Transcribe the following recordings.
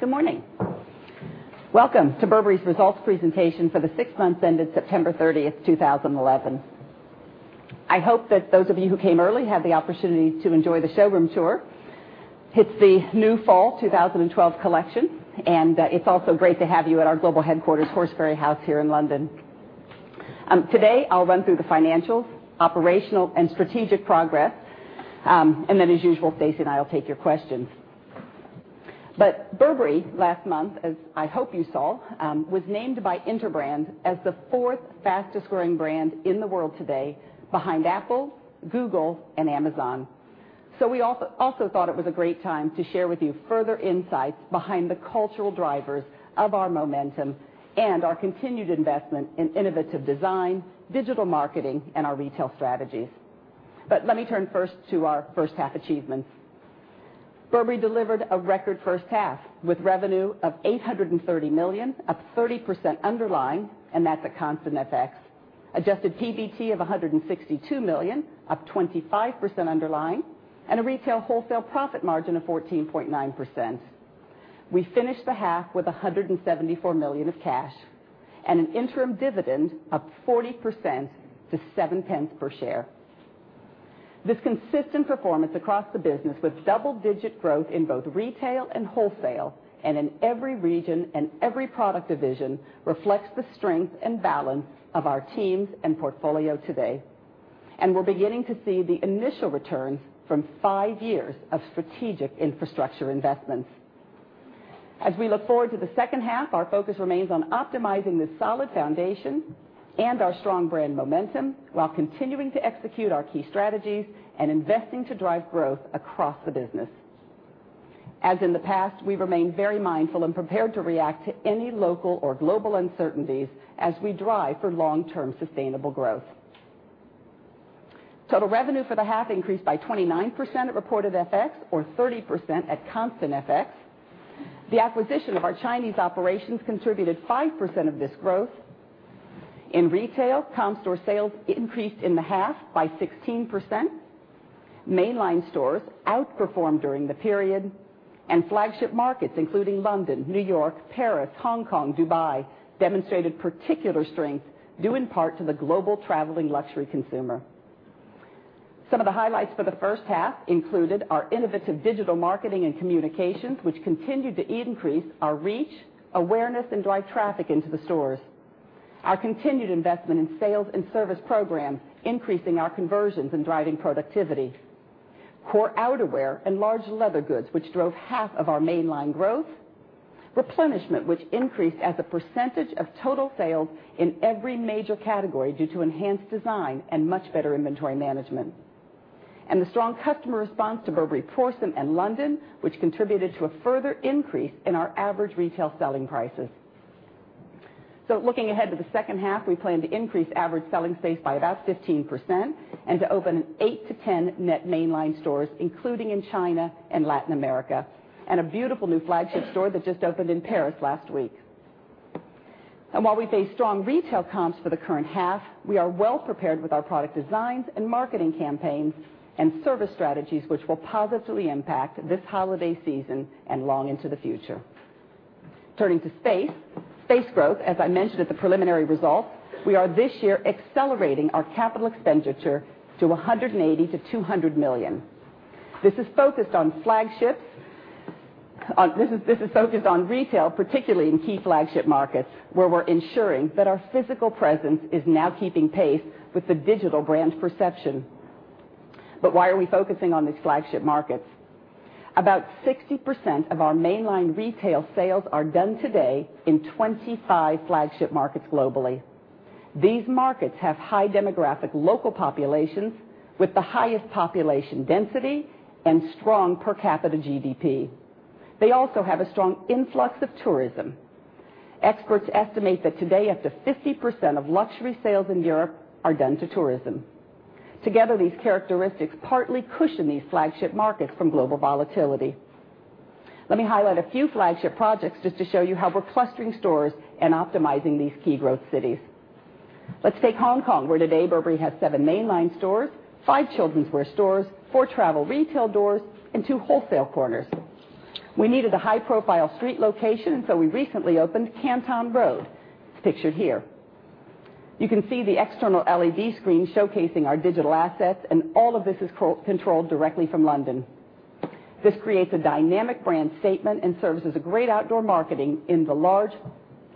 Good morning. Welcome to Burberry Group's Results Presentation for the six months ended September 30, 2011. I hope that those of you who came early had the opportunity to enjoy the showroom tour. It's the New Fall 2012 Collection, and it's also great to have you at our global headquarters, Horseferry House, here in London. Today, I'll run through the financial, operational, and strategic progress, and then, as usual, Stacey and I will take your questions. But Burberry last month, as I hope you saw, was named by Interbrand as the fourth fastest growing brand in the world today, behind Apple, Google, and Amazon. We also thought it was a great time to share with you further insights behind the cultural drivers of our momentum and our continued investment in innovative design, digital marketing, and our retail strategies. Let me turn first to our first half achievements. Burberry delivered a record first half with revenue of 830 million, up 30% underlying, and that's at constant FX. Adjusted pre-tax profit of 162 million, up 25% underlying, and a retail wholesale profit margin of 14.9%. We finished the half with 174 million of cash and an interim dividend up 40% to 0.07/share. This consistent performance across the business, with double-digit growth in both retail and wholesale, and in every region and every product division, reflects the strength and balance of our teams and portfolio today. We're beginning to see the initial returns from five years of strategic infrastructure investments. As we look forward to the second half, our focus remains on optimizing this solid foundation and our strong brand momentum while continuing to execute our key strategies and investing to drive growth across the business. As in the past, we remain very mindful and prepared to react to any local or global uncertainties as we drive for long-term sustainable growth. Total revenue for the half increased by 29% at reported FX, or 30% at constant FX. The acquisition of our Chinese operations contributed 5% of this growth. In retail, comparable store sales increased in the half by 16%. Mainline stores outperformed during the period, and flagship markets, including London, New York, Paris, Hong Kong, and Dubai, demonstrated particular strength due in part to the global traveling luxury consumer. Some of the highlights for the first half included our innovative digital marketing and communications, which continued to increase our reach, awareness, and drive traffic into the stores. Our continued investment in sales and service program increased our conversions and drive productivity. Core outerwear and large leather goods, which drove half of our mainline growth. Replenishment, which increased as a percentage of total sales in every major category due to enhanced design and much better inventory management. The strong customer response to Burberry Portland and London, which contributed to a further increase in our average retail selling prices. Looking ahead to the second half, we plan to increase average selling space by about 15% and to open eight to ten net mainline stores, including in China and Latin America, and a beautiful new flagship store that just opened in Paris last week. While we face strong retail comps for the current half, we are well prepared with our product designs and marketing campaign and service strategies, which will positively impact this holiday season and long into the future. Turning to space, space growth, as I mentioned at the preliminary result, we are this year accelerating our capital expenditure to 180 million-200 million. This is focused on flagships. This is focused on retail, particularly in key flagship markets, where we're ensuring that our physical presence is now keeping pace with the digital brand's perception. Why are we focusing on these flagship markets? About 60% of our mainline retail sales are done today in 25 flagship markets globally. These markets have high demographic local populations with the highest population density and strong per capita GDP. They also have a strong influx of tourism. Experts estimate that today up to 50% of luxury sales in Europe are done to tourism. Together, these characteristics partly cushion these flagship markets from global volatility. Let me highlight a few flagship projects just to show you how we're clustering stores and optimizing these key growth cities. Let's take Hong Kong, where today Burberry has seven mainline stores, five children's wear stores, four travel retail doors, and two wholesale corners. We needed a high-profile street location, and so we recently opened Canton Road. It's pictured here. You can see the external LED screen showcasing our digital assets, and all of this is controlled directly from London. This creates a dynamic brand statement and serves as a great outdoor marketing in the large,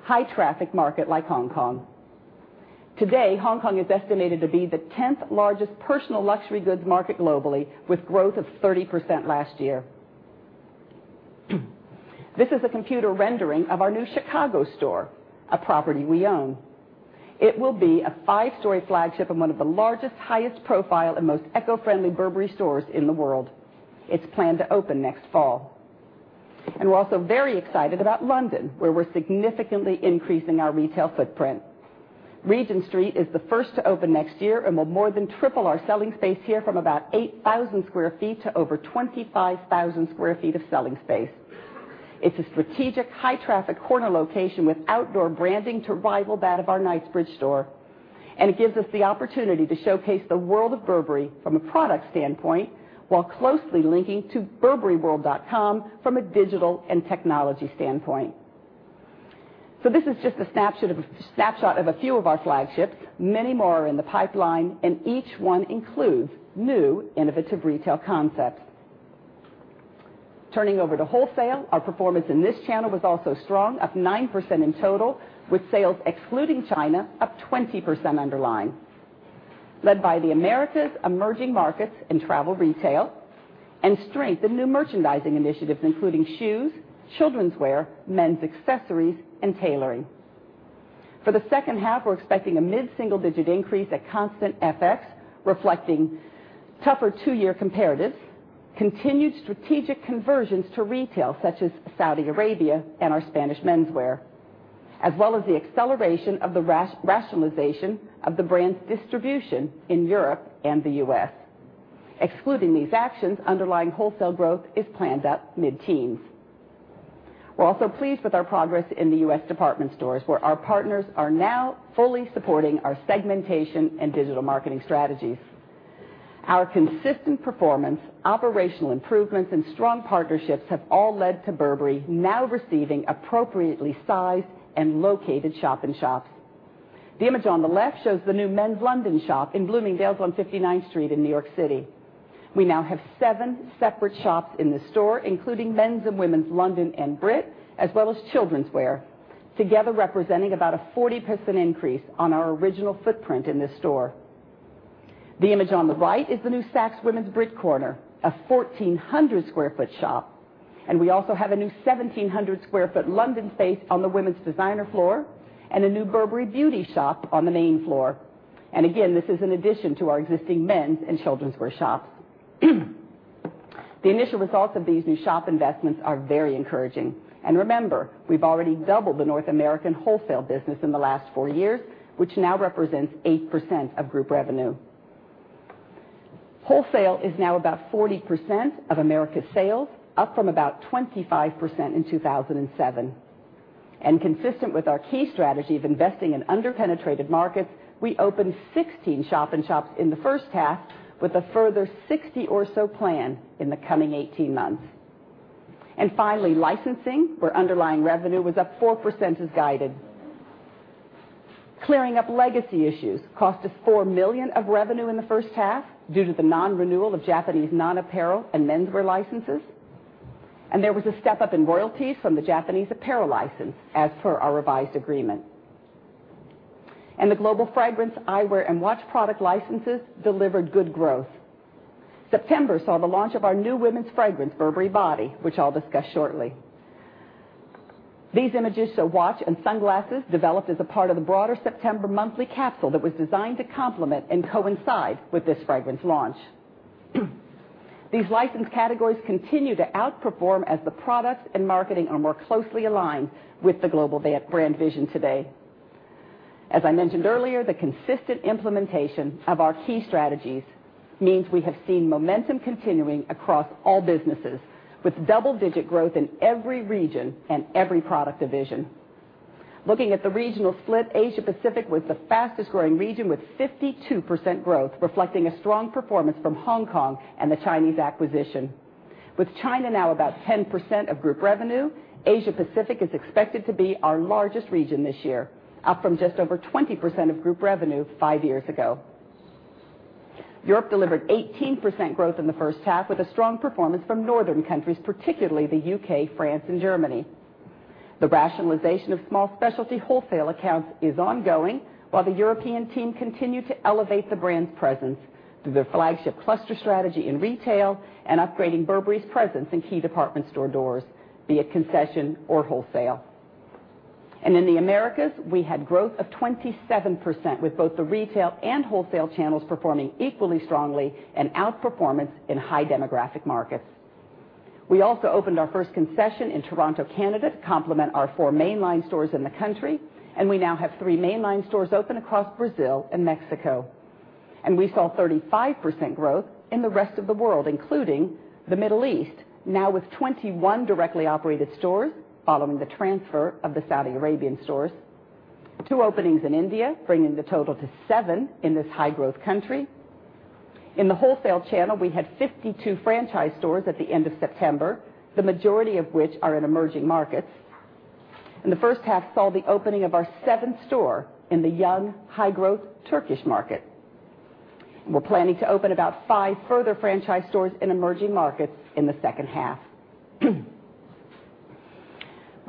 high-traffic market like Hong Kong. Today, Hong Kong is estimated to be the 10th largest personal luxury goods market globally, with growth of 30% last year. This is a computer rendering of our new Chicago store, a property we own. It will be a five-story flagship in one of the largest, highest profile, and most eco-friendly Burberry stores in the world. It's planned to open next fall. We're also very excited about London, where we're significantly increasing our retail footprint. Regent Street is the first to open next year and will more than triple our selling space here from about 8,000 sq ft to over 25,000 sq ft of selling space. It's a strategic high-traffic corner location with outdoor branding to rival that of our Knightsbridge store. It gives us the opportunity to showcase the world of Burberry from a product standpoint while closely linking to burberryworld.com from a digital and technology standpoint. This is just a snapshot of a few of our flagships. Many more are in the pipeline, and each one includes new innovative retail concepts. Turning over to wholesale, our performance in this channel was also strong, up 9% in total, with sales excluding China up 20% underlying. Led by the Americas, emerging markets, and travel retail, and strength in new merchandising initiatives, including shoes, children's wear, men's accessories, and tailoring. For the second half, we're expecting a mid-single-digit increase at constant FX, reflecting tougher two-year comparatives, continued strategic conversions to retail, such as Saudi Arabia and our Spanish menswear, as well as the acceleration of the rationalization of the brand's distribution in Europe and the U.S. Excluding these actions, underlying wholesale growth is planned up mid-teens. We're also pleased with our progress in the U.S. department stores, where our partners are now fully supporting our segmentation and digital marketing strategies. Our consistent performance, operational improvements, and strong partnerships have all led to Burberry now receiving appropriately sized and located shop and shops. The image on the left shows the new Men's London shop in Bloomingdale's on 59th Street in New York City. We now have seven separate shops in the store, including Men's and Women's London and Brit, as well as children's wear, together representing about a 40% increase on our original footprint in this store. The image on the right is the new Saks Women's Brit Corner, a 1,400 sq ft shop. We also have a new 1,700 sq ft London space on the women's designer floor and a new Burberry Beauty shop on the main floor. This is in addition to our existing men's and children's wear shops. The initial results of these new shop investments are very encouraging. Remember, we've already doubled the North American wholesale business in the last four years, which now represents 8% of group revenue. Wholesale is now about 40% of America's sales, up from about 25% in 2007. Consistent with our key strategy of investing in underpenetrated markets, we opened 16 shop and shops in the first half, with a further 60 or so planned in the coming 18 months. Finally, licensing, where underlying revenue was up 4%, is guided. Clearing up legacy issues cost us GBP 4 million of revenue in the first half due to the non-renewal of Japanese non-apparel and menswear licenses. There was a step up in royalties from the Japanese apparel license, as per our revised agreement. The global fragrance, eyewear, and watch product licenses delivered good growth. September saw the launch of our new women's fragrance, Burberry Body, which I'll discuss shortly. These images show watch and sunglasses developed as a part of the broader September monthly capsule that was designed to complement and coincide with this fragrance launch. These licensed categories continue to outperform as the products and marketing are more closely aligned with the global brand vision today. As I mentioned earlier, the consistent implementation of our key strategies means we have seen momentum continuing across all businesses, with double-digit growth in every region and every product division. Looking at the regional split, Asia Pacific was the fastest growing region, with 52% growth, reflecting a strong performance from Hong Kong and the Chinese acquisition. With China now about 10% of group revenue, Asia Pacific is expected to be our largest region this year, up from just over 20% of group revenue five years ago. Europe delivered 18% growth in the first half, with a strong performance from northern countries, particularly the U.K., France, and Germany. The rationalization of small specialty wholesale accounts is ongoing, while the European team continued to elevate the brand's presence through their flagship cluster strategy in retail and upgrading Burberry's presence in key department store doors, be it concession or wholesale. In the Americas, we had growth of 27%, with both the retail and wholesale channels performing equally strongly and outperformance in high demographic markets. We also opened our first concession in Toronto, Canada, to complement our four mainline stores in the country, and we now have three mainline stores open across Brazil and Mexico. We saw 35% growth in the rest of the world, including the Middle East, now with 21 directly operated stores following the transfer of the Saudi Arabian stores, two openings in India, bringing the total to seven in this high-growth country. In the wholesale channel, we had 52 franchise stores at the end of September, the majority of which are in emerging markets. The first half saw the opening of our seventh store in the young, high-growth Turkish market. We're planning to open about five further franchise stores in emerging markets in the second half.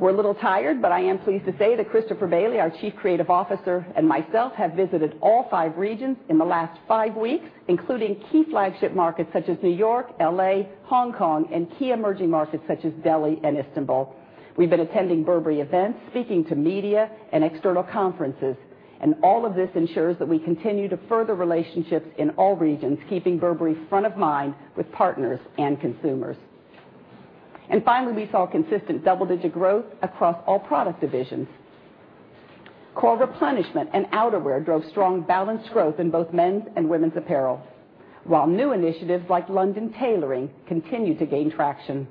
I am pleased to say that Christopher Bailey, our Chief Creative Officer, and myself have visited all five regions in the last five weeks, including key flagship markets such as New York, LA, Hong Kong, and key emerging markets such as Delhi and Istanbul. We've been attending Burberry events, speaking to media, and external conferences. All of this ensures that we continue to further relationships in all regions, keeping Burberry front of mind with partners and consumers. Finally, we saw consistent double-digit growth across all product divisions. Core replenishment and outerwear drove strong balanced growth in both men's and women's apparel, while new initiatives like London tailoring continue to gain traction.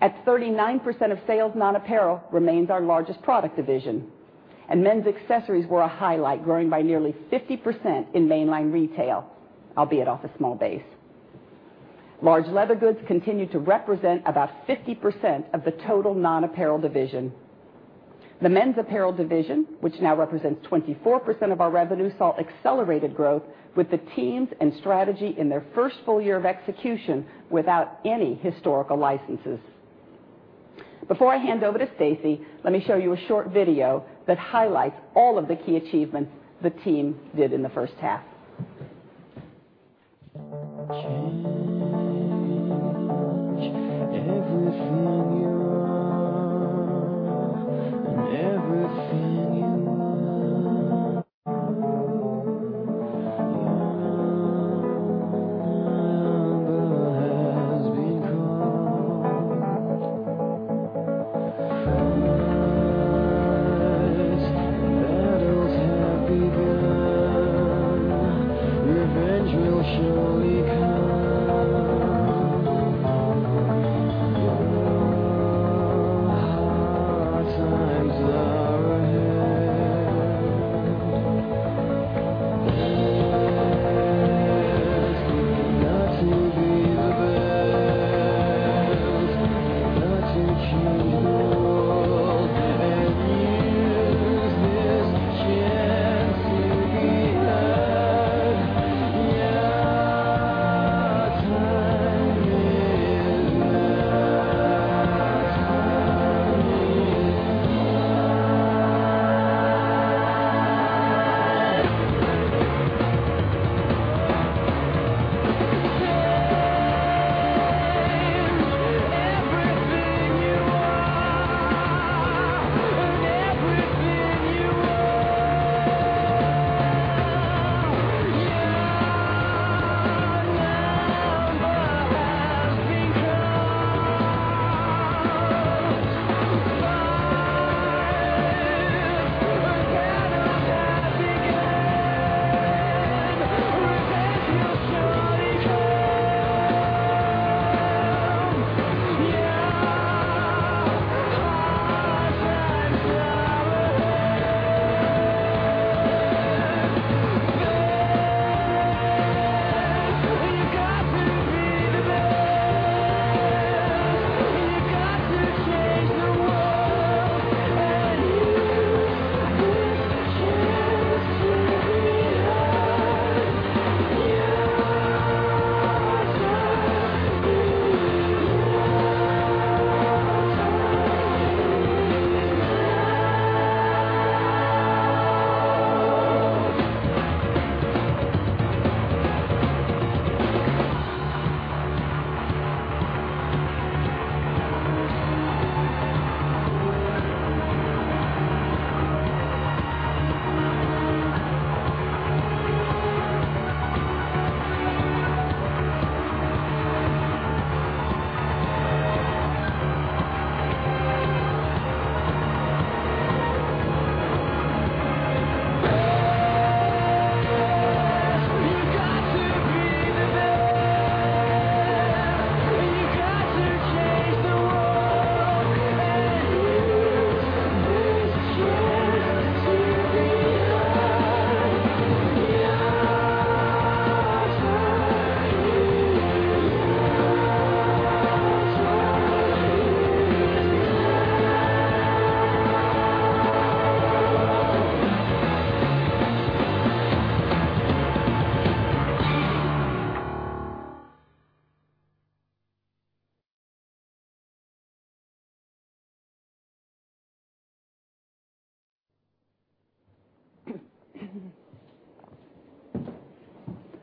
At 39% of sales, non-apparel remains our largest product division. Men's accessories were a highlight, growing by nearly 50% in mainline retail, albeit off a small base. Large leather goods continue to represent about 50% of the total non-apparel division. The men's apparel division, which now represents 24% of our revenue, saw accelerated growth with the teams and strategy in their first full year of execution without any historical licenses. Before I hand over to Stacey, let me show you a short video that highlights all of the key achievements the team did in the first half.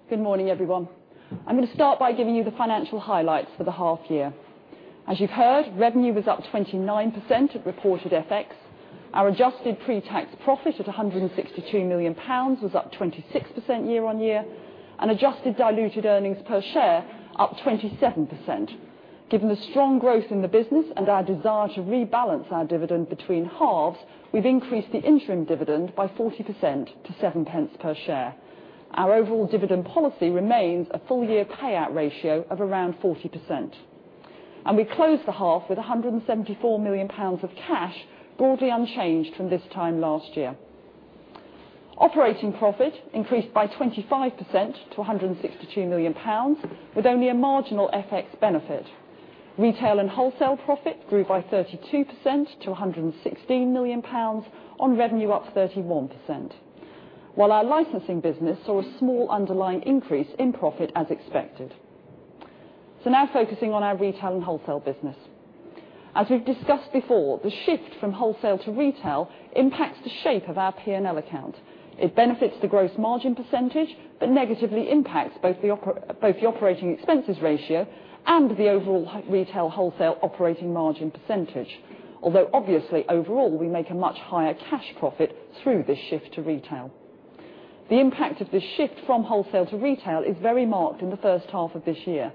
Good morning, everyone. I'm going to start by giving you the financial highlights for the half year. As you've heard, revenue was up 29% at reported FX. Our adjusted pre-tax profit at 162 million pounds was up 26% year-on-year, and adjusted diluted earnings per share up 27%. Given the strong growth in the business and our desire to rebalance our dividend between halves, we've increased the interim dividend by 40% to 0.07/share. Our overall dividend policy remains a full-year payout ratio of around 40%. We closed the half with 174 million pounds of cash, broadly unchanged from this time last year. Operating profit increased by 25% to 162 million pounds, with only a marginal FX benefit. Retail and wholesale profit grew by 32% to 116 million pounds on revenue up 31%, while our licensing business saw a small underlying increase in profit as expected. Now focusing on our retail and wholesale business. As we've discussed before, the shift from wholesale to retail impacts the shape of our P&L account. It benefits the gross margin percentage, but negatively impacts both the operating expenses ratio and the overall retail wholesale operating margin percentage. Although, obviously, overall, we make a much higher cash profit through this shift to retail. The impact of this shift from wholesale to retail is very marked in the first half of this year,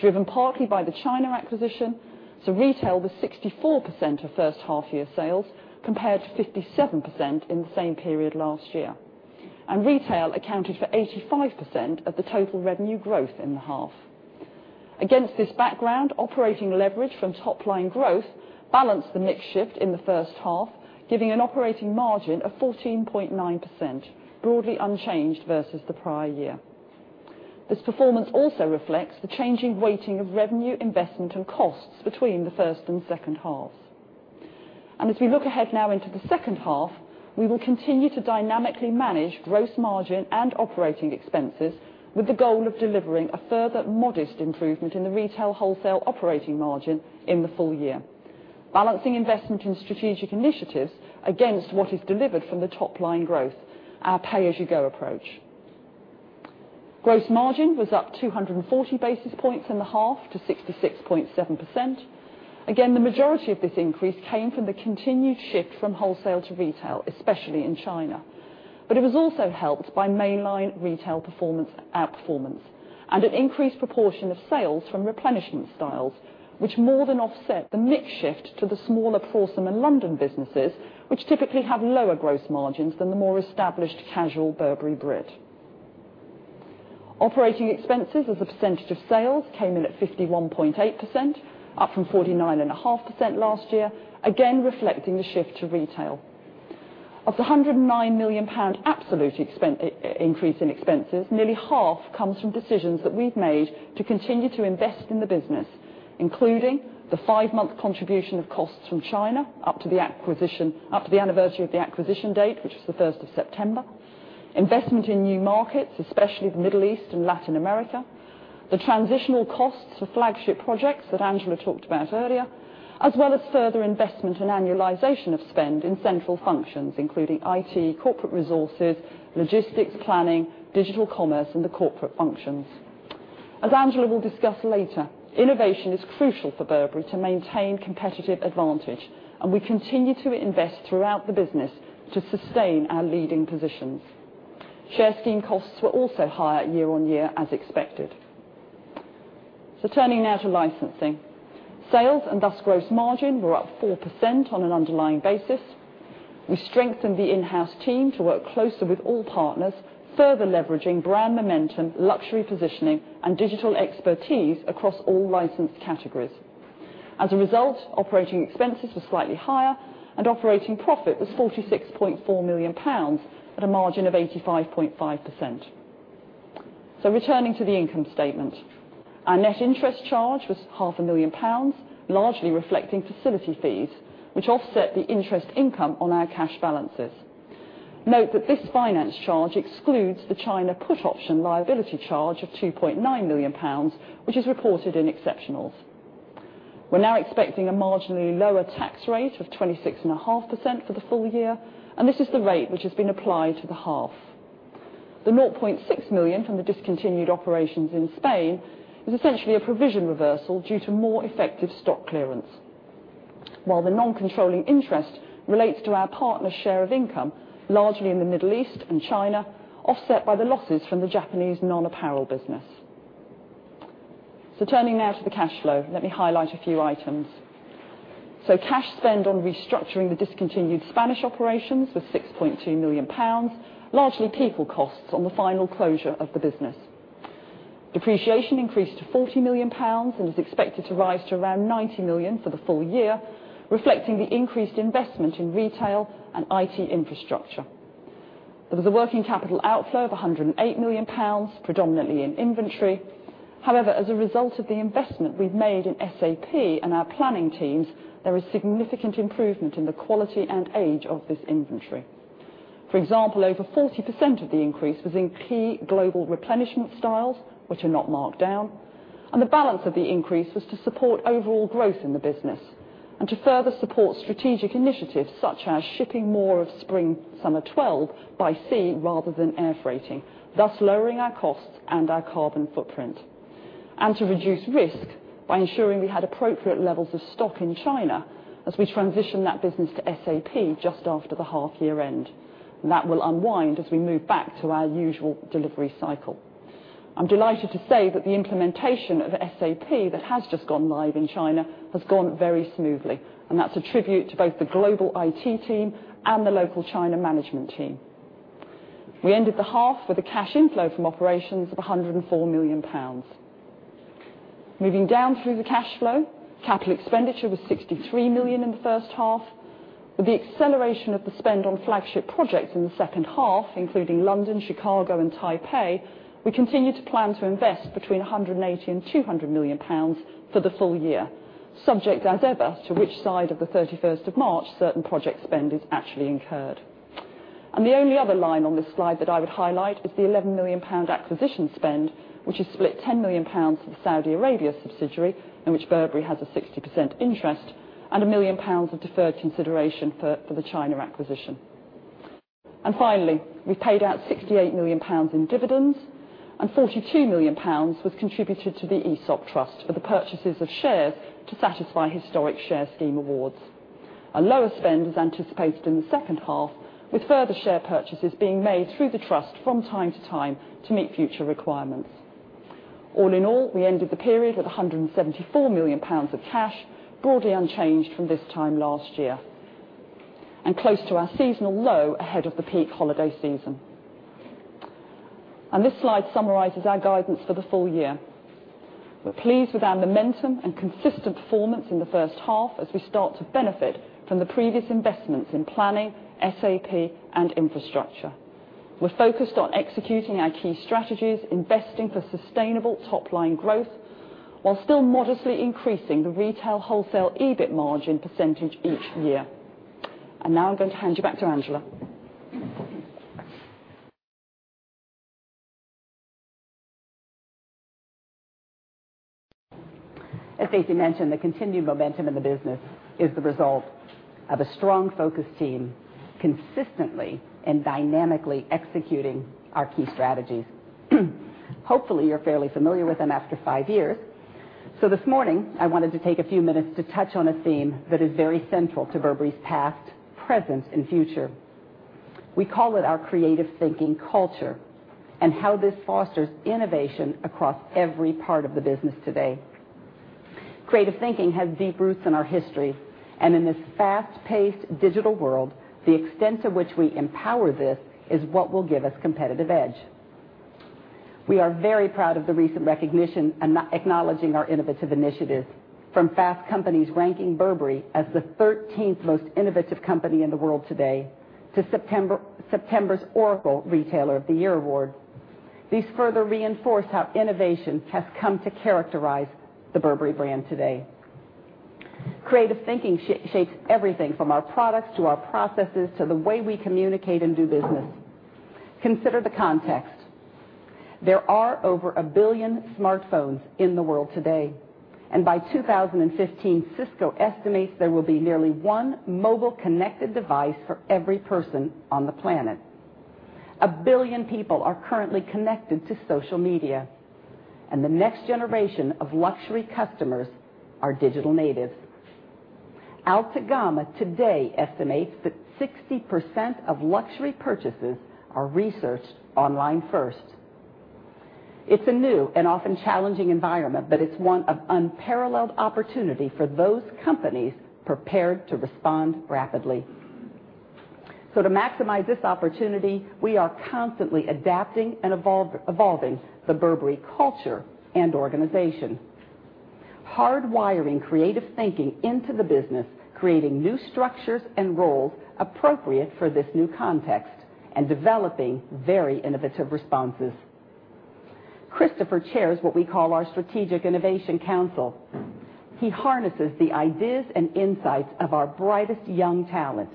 driven partly by the China acquisition. Retail was 64% of first half-year sales compared to 57% in the same period last year. Retail accounted for 85% of the total revenue growth in the half. Against this background, operating leverage from top-line growth balanced the mixed shift in the first half, giving an operating margin of 14.9%, broadly unchanged versus the prior year. This performance also reflects the changing weighting of revenue, investment, and costs between the first and second halves. As we look ahead now into the second half, we will continue to dynamically manage gross margin and operating expenses with the goal of delivering a further modest improvement in the retail wholesale operating margin in the full year, balancing investment in strategic initiatives against what is delivered from the top-line growth, our pay-as-you-go approach. Gross margin was up 240 basis points in the half to 66.7%. Again, the majority of this increase came from the continued shift from wholesale to retail, especially in China. It was also helped by mainline retail performance outperformance and an increased proportion of sales from replenishment styles, which more than offset the mix shift to the smaller Prorsum and London businesses, which typically have lower gross margins than the more established casual Burberry Brit. Operating expenses as a percentage of sales came in at 51.8%, up from 49.5% last year, again reflecting the shift to retail. Of the 109 million pound absolute increase in expenses, nearly half comes from decisions that we've made to continue to invest in the business, including the five-month contribution of costs from China up to the anniversary of the acquisition date, which is the 1st of September, investment in new markets, especially the Middle East and Latin America, the transitional costs for flagship projects that Angela talked about earlier, as well as further investment and annualization of spend in central functions, including IT, corporate resources, logistics planning, digital commerce, and the corporate functions. As Angela will discuss later, innovation is crucial for Burberry to maintain competitive advantage, and we continue to invest throughout the business to sustain our leading positions. Share scheme costs were also higher year on year as expected. Turning now to licensing. Sales and thus gross margin were up 4% on an underlying basis. We strengthened the in-house team to work closer with all partners, further leveraging brand momentum, luxury positioning, and digital expertise across all licensed categories. As a result, operating expenses were slightly higher, and operating profit was 46.4 million pounds at a margin of 85.5%. Returning to the income statement. Our net interest charge was 0.5 million pounds, largely reflecting facility fees, which offset the interest income on our cash balances. Note that this finance charge excludes the China put option liability charge of 2.9 million pounds, which is reported in exceptionals. We are now expecting a marginally lower tax rate of 26.5% for the full year, and this is the rate which has been applied to the half. The 0.6 million from the discontinued operations in Spain is essentially a provision reversal due to more effective stock clearance. The non-controlling interest relates to our partners' share of income, largely in the Middle East and China, offset by the losses from the Japanese non-apparel business. Turning now to the cash flow, let me highlight a few items. Cash spend on restructuring the discontinued Spanish operations was 6.2 million pounds, largely people costs on the final closure of the business. Depreciation increased to 40 million pounds and is expected to rise to around 90 million for the full year, reflecting the increased investment in retail and IT infrastructure. There was a working capital outflow of 108 million pounds, predominantly in inventory. However, as a result of the investment we've made in SAP and our planning teams, there is significant improvement in the quality and age of this inventory. For example, over 40% of the increase was in key global replenishment styles, which are not marked down. The balance of the increase was to support overall growth in the business and to further support strategic initiatives such as shipping more of Spring/Summer 2012 by sea rather than air freighting, thus lowering our costs and our carbon footprint. To reduce risk by ensuring we had appropriate levels of stock in China as we transitioned that business to SAP just after the half-year end. That will unwind as we move back to our usual delivery cycle. I'm delighted to say that the implementation of SAP that has just gone live in China has gone very smoothly, and that's a tribute to both the global IT team and the local China management team. We ended the half with a cash inflow from operations of 104 million pounds. Moving down through the cash flow, capital expenditure was 63 million in the first half. With the acceleration of the spend on flagship projects in the second half, including London, Chicago, and Taipei, we continue to plan to invest between GBP 180 and GBP 200 million for the full year, subject as ever to which side of the 31st of March certain project spend is actually incurred. The only other line on this slide that I would highlight is the 11 million pound acquisition spend, which is split 10 million pounds for the Saudi Arabia subsidiary, in which Burberry Group has a 60% interest, and 1 million pounds of deferred consideration for the China acquisition. Finally, we've paid out GBP 68 million in dividends, and GBP 42 million was contributed to the ESOP Trust for the purchases of shares to satisfy historic share scheme awards. A lower spend was anticipated in the second half, with further share purchases being made through the trust from time to time to meet future requirements. All in all, we ended the period at 174 million pounds of cash, broadly unchanged from this time last year, and close to our seasonal low ahead of the peak holiday season. This slide summarizes our guidance for the full year. We're pleased with our momentum and consistent performance in the first half as we start to benefit from the previous investments in planning, SAP, and infrastructure. We're focused on executing our key strategies, investing for sustainable top-line growth, while still modestly increasing the retail/wholesale EBIT margin percentage each year. Now I'm going to hand you back to Angela. As Stacey mentioned, the continued momentum in the business is the result of a strong, focused team, consistently and dynamically executing our key strategies. Hopefully, you're fairly familiar with them after five years. This morning, I wanted to take a few minutes to touch on a theme that is very central to Burberry's past, present, and future. We call it our creative thinking culture and how this fosters innovation across every part of the business today. Creative thinking has deep roots in our history, and in this fast-paced digital world, the extent to which we empower this is what will give us a competitive edge. We are very proud of the recent recognition and acknowledging our innovative initiatives, from Fast Company's ranking Burberry as the 13th most innovative company in the world today to September's Oracle Retailer of the Year award. These further reinforce how innovation has come to characterize the Burberry brand today. Creative thinking shapes everything from our products to our processes to the way we communicate and do business. Consider the context. There are over a billion smartphones in the world today, and by 2015, Cisco estimates there will be nearly one mobile connected device for every person on the planet. A billion people are currently connected to social media, and the next generation of luxury customers are digital natives. Altagama today estimates that 60% of luxury purchases are researched online first. It's a new and often challenging environment, but it's one of unparalleled opportunity for those companies prepared to respond rapidly. To maximize this opportunity, we are constantly adapting and evolving the Burberry culture and organization, hardwiring creative thinking into the business, creating new structures and roles appropriate for this new context, and developing very innovative responses. Christopher chairs what we call our Strategic Innovation Council. He harnesses the ideas and insights of our brightest young talent,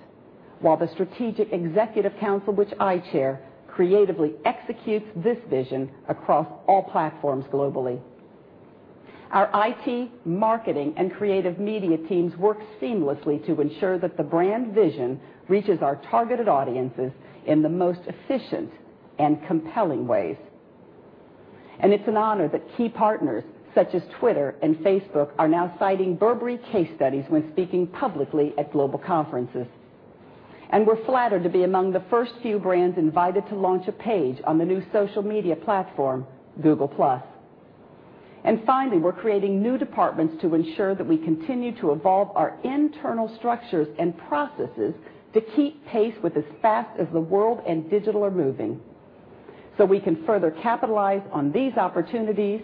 while the Strategic Executive Council, which I chair, creatively executes this vision across all platforms globally. Our IT, marketing, and creative media teams work seamlessly to ensure that the brand vision reaches our targeted audiences in the most efficient and compelling ways. It is an honor that key partners such as Twitter and Facebook are now citing Burberry case studies when speaking publicly at global conferences. We are flattered to be among the first few brands invited to launch a page on the new social media platform, Google+. Finally, we are creating new departments to ensure that we continue to evolve our internal structures and processes to keep pace with as fast as the world and digital are moving, so we can further capitalize on these opportunities.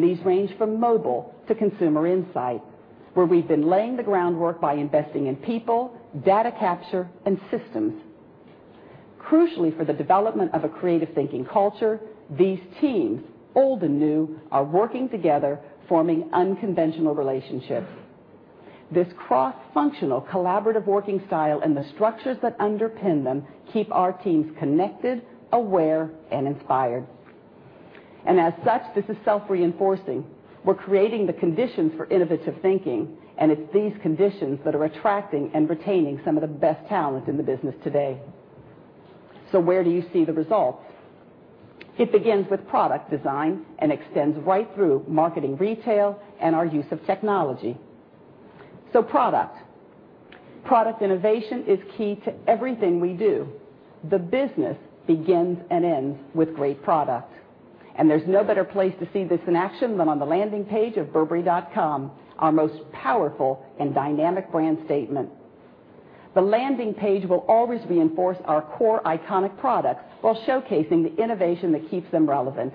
These range from mobile to consumer insight, where we have been laying the groundwork by investing in people, data capture, and systems. Crucially for the development of a creative thinking culture, these teams, old and new, are working together, forming an unconventional relationship. This cross-functional collaborative working style and the structures that underpin them keep our teams connected, aware, and inspired. This is self-reinforcing. We are creating the conditions for innovative thinking, and it is these conditions that are attracting and retaining some of the best talent in the business today. Where do you see the results? It begins with product design and extends right through marketing, retail, and our use of technology. Product innovation is key to everything we do. The business begins and ends with great product. There is no better place to see this in action than on the landing page of burberry.com, our most powerful and dynamic brand statement. The landing page will always reinforce our core iconic products while showcasing the innovation that keeps them relevant.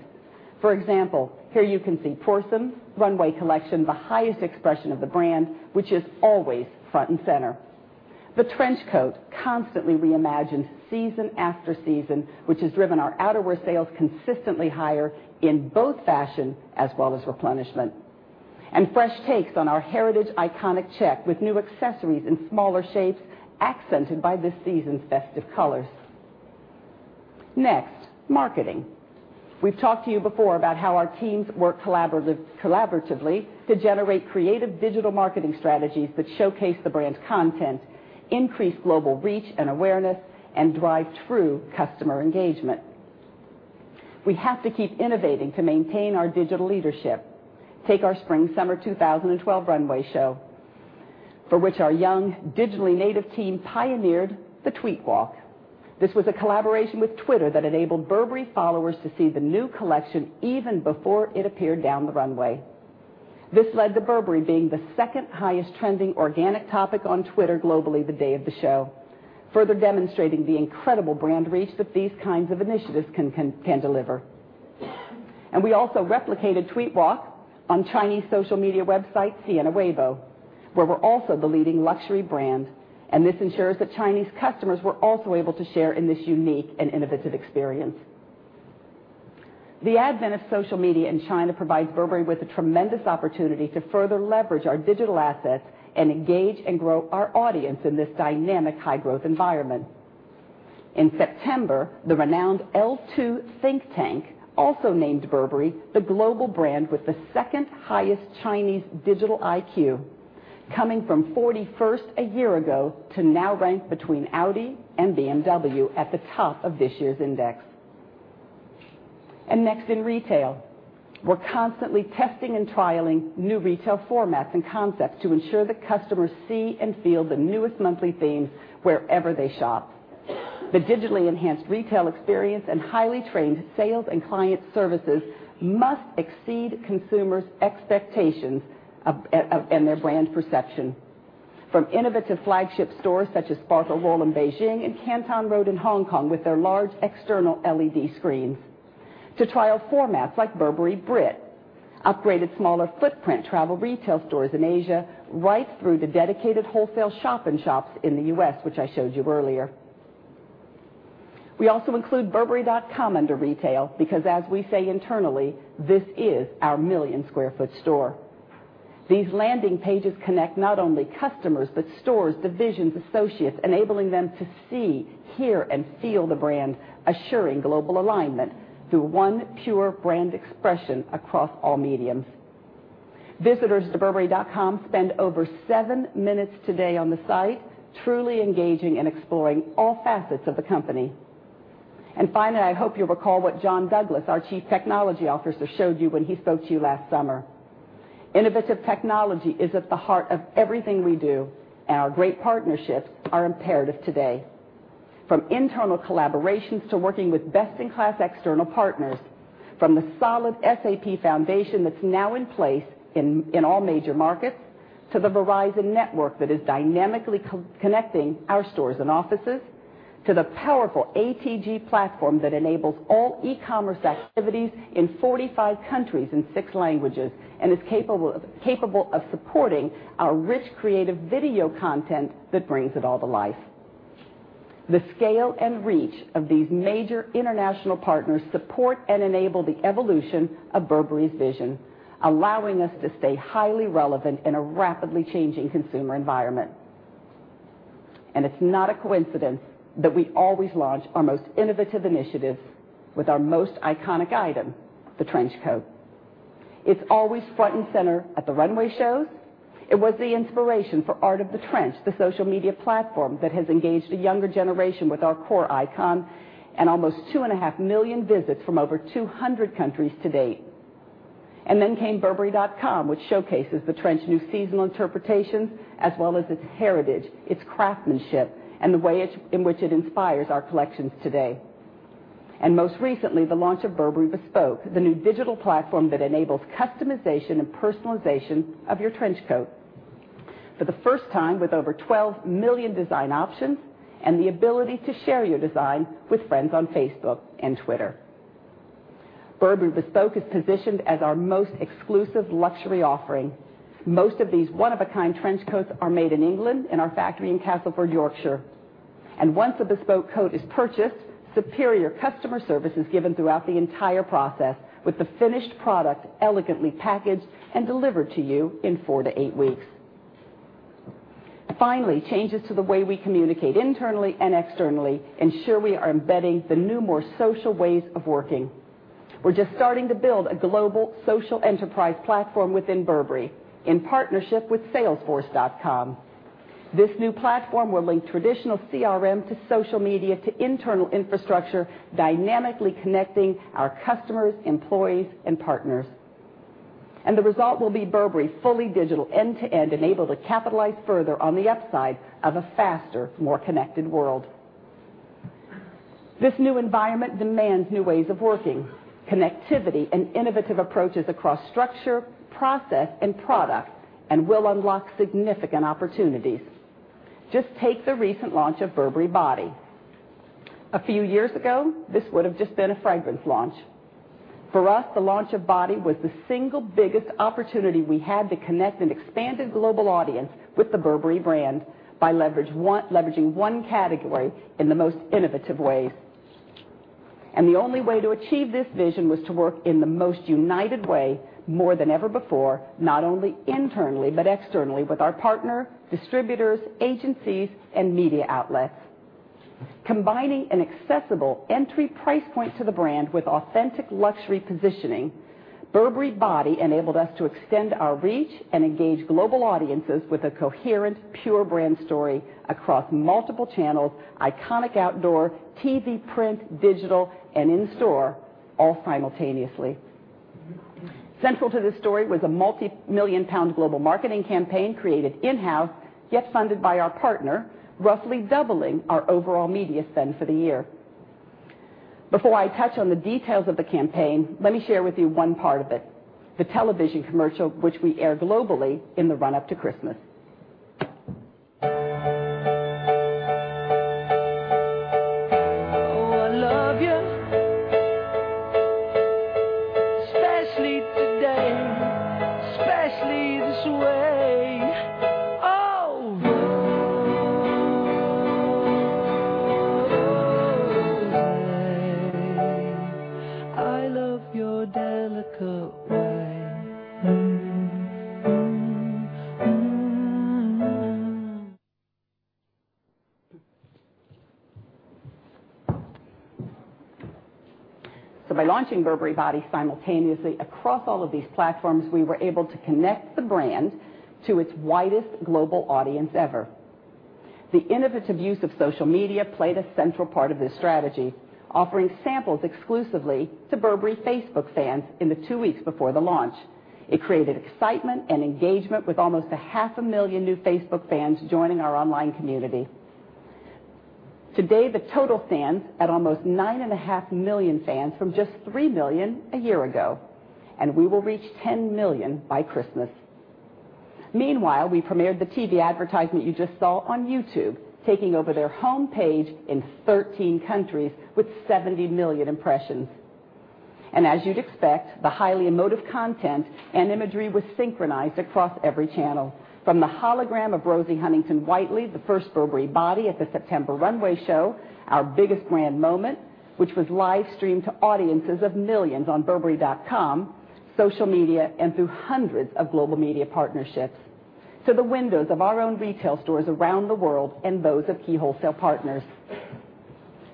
For example, here you can see the Prorsum Runway Collection, the highest expression of the brand, which is always front and center. The trench coat constantly reimagines season after season, which has driven our outerwear sales consistently higher in both fashion as well as replenishment. Fresh takes on our heritage iconic check with new accessories in smaller shapes are accented by this season's festive colors. Next, marketing. We have talked to you before about how our teams work collaboratively to generate creative digital marketing strategies that showcase the brand's content, increase global reach and awareness, and drive true customer engagement. We have to keep innovating to maintain our digital leadership. Take our Spring/Summer 2012 Runway Show, for which our young, digitally native team pioneered the Tweetwalk. This was a collaboration with Twitter that enabled Burberry followers to see the new collection even before it appeared down the runway. This led to Burberry being the second highest trending organic topic on Twitter globally the day of the show, further demonstrating the incredible brand reach that these kinds of initiatives can deliver. We also replicated Tweetwalk on Chinese social media websites and Weibo, where we're also the leading luxury brand. This ensures that Chinese customers were also able to share in this unique and innovative experience. The advent of social media in China provides Burberry with a tremendous opportunity to further leverage our digital assets and engage and grow our audience in this dynamic high-growth environment. In September, the renowned L2 Think Tank also named Burberry the global brand with the second highest Chinese digital IQ, coming from 41st a year ago to now rank between Audi and BMW at the top of this year's index. Next in retail, we're constantly testing and trialing new retail formats and concepts to ensure that customers see and feel the newest monthly theme wherever they shop. The digitally enhanced retail experience and highly trained sales and client services must exceed consumers' expectations and their brand perception. From innovative flagship stores such as Sparkle World in Beijing and Canton Road in Hong Kong with their large external LED screens, to trial formats like Burberry Brit, upgraded smaller footprint travel retail stores in Asia, right through to dedicated wholesale shop and shops in the U.S., which I showed you earlier. We also include burberry.com under retail because, as we say internally, this is our million-square-foot store. These landing pages connect not only customers but stores, divisions, associates, enabling them to see, hear, and feel the brand, assuring global alignment through one pure brand expression across all mediums. Visitors to burberry.com spend over seven minutes today on the site, truly engaging and exploring all facets of the company. Finally, I hope you'll recall what John Douglas, our Chief Technology Officer, showed you when he spoke to you last summer. Innovative technology is at the heart of everything we do, and our great partnerships are imperative today. From internal collaborations to working with best-in-class external partners, from the solid SAP foundation that's now in place in all major markets, to the Verizon network that is dynamically connecting our stores and offices, to the powerful ATG platform that enables all e-commerce activities in 45 countries in six languages and is capable of supporting our rich creative video content that brings it all to life. The scale and reach of these major international partners support and enable the evolution of Burberry's vision, allowing us to stay highly relevant in a rapidly changing consumer environment. It is not a coincidence that we always launch our most innovative initiative with our most iconic item, the trench coat. It's always front and center at the runway shows. It was the inspiration for Art of the Trench, the social media platform that has engaged a younger generation with our core icon and almost 2.5 million visits from over 200 countries to date. Then came burberry.com, which showcases the trench new seasonal interpretations, as well as its heritage, its craftsmanship, and the way in which it inspires our collections today. Most recently, the launch of Burberry Bespoke, the new digital platform that enables customization and personalization of your trench coat. For the first time, with over 12 million design options and the ability to share your design with friends on Facebook and Twitter, Burberry Bespoke is positioned as our most exclusive luxury offering. Most of these one-of-a-kind trench coats are made in England in our factory in Castleford, Yorkshire. Once a Bespoke coat is purchased, superior customer service is given throughout the entire process, with the finished product elegantly packaged and delivered to you in 4-8 weeks. Finally, changes to the way we communicate internally and externally ensure we are embedding the new, more social ways of working. We are just starting to build a global social enterprise platform within Burberry in partnership with salesforce.com. This new platform will link traditional CRM to social media to internal infrastructure, dynamically connecting our customers, employees, and partners. The result will be Burberry fully digital, end-to-end, enabled to capitalize further on the upside of a faster, more connected world. This new environment demands new ways of working, connectivity, and innovative approaches across structure, process, and product, and will unlock significant opportunities. Just take the recent launch of Burberry Body. A few years ago, this would have just been a fragrance launch. For us, the launch of Body was the single biggest opportunity we had to connect an expanded global audience with the Burberry brand by leveraging one category in the most innovative ways. The only way to achieve this vision was to work in the most united way, more than ever before, not only internally but externally with our partner, distributors, agencies, and media outlets. Combining an accessible entry price point to the brand with authentic luxury positioning, Burberry Body enabled us to extend our reach and engage global audiences with a coherent, pure brand story across multiple channels: iconic outdoor, TV, print, digital, and in-store, all simultaneously. Central to this story was a multi-million-pound global marketing campaign created in-house, yet funded by our partner, roughly doubling our overall media spend for the year. Before I touch on the details of the campaign, let me share with you one part of it: the television commercial, which we air globally in the run-up to Christmas. By launching Burberry Body simultaneously across all of these platforms, we were able to connect the brand to its widest global audience ever. The innovative use of social media played a central part of this strategy, offering samples exclusively to Burberry Facebook fans in the two weeks before the launch. It created excitement and engagement, with almost a half a million new Facebook fans joining our online community. Today, the total fans are almost 9.5 million fans from just 3 million a year ago. We will reach 10 million by Christmas. Meanwhile, we premiered the TV advertisement you just saw on YouTube, taking over their home page in 13 countries with 70 million impressions. As you'd expect, the highly emotive content and imagery was synchronized across every channel, from the hologram of Rosie Huntington-Whiteley, the first Burberry Body at the September runway show, our biggest brand moment, which was live-streamed to audiences of millions on burberry.com, social media, and through hundreds of global media partnerships, to the windows of our own retail stores around the world and bows of key wholesale partners,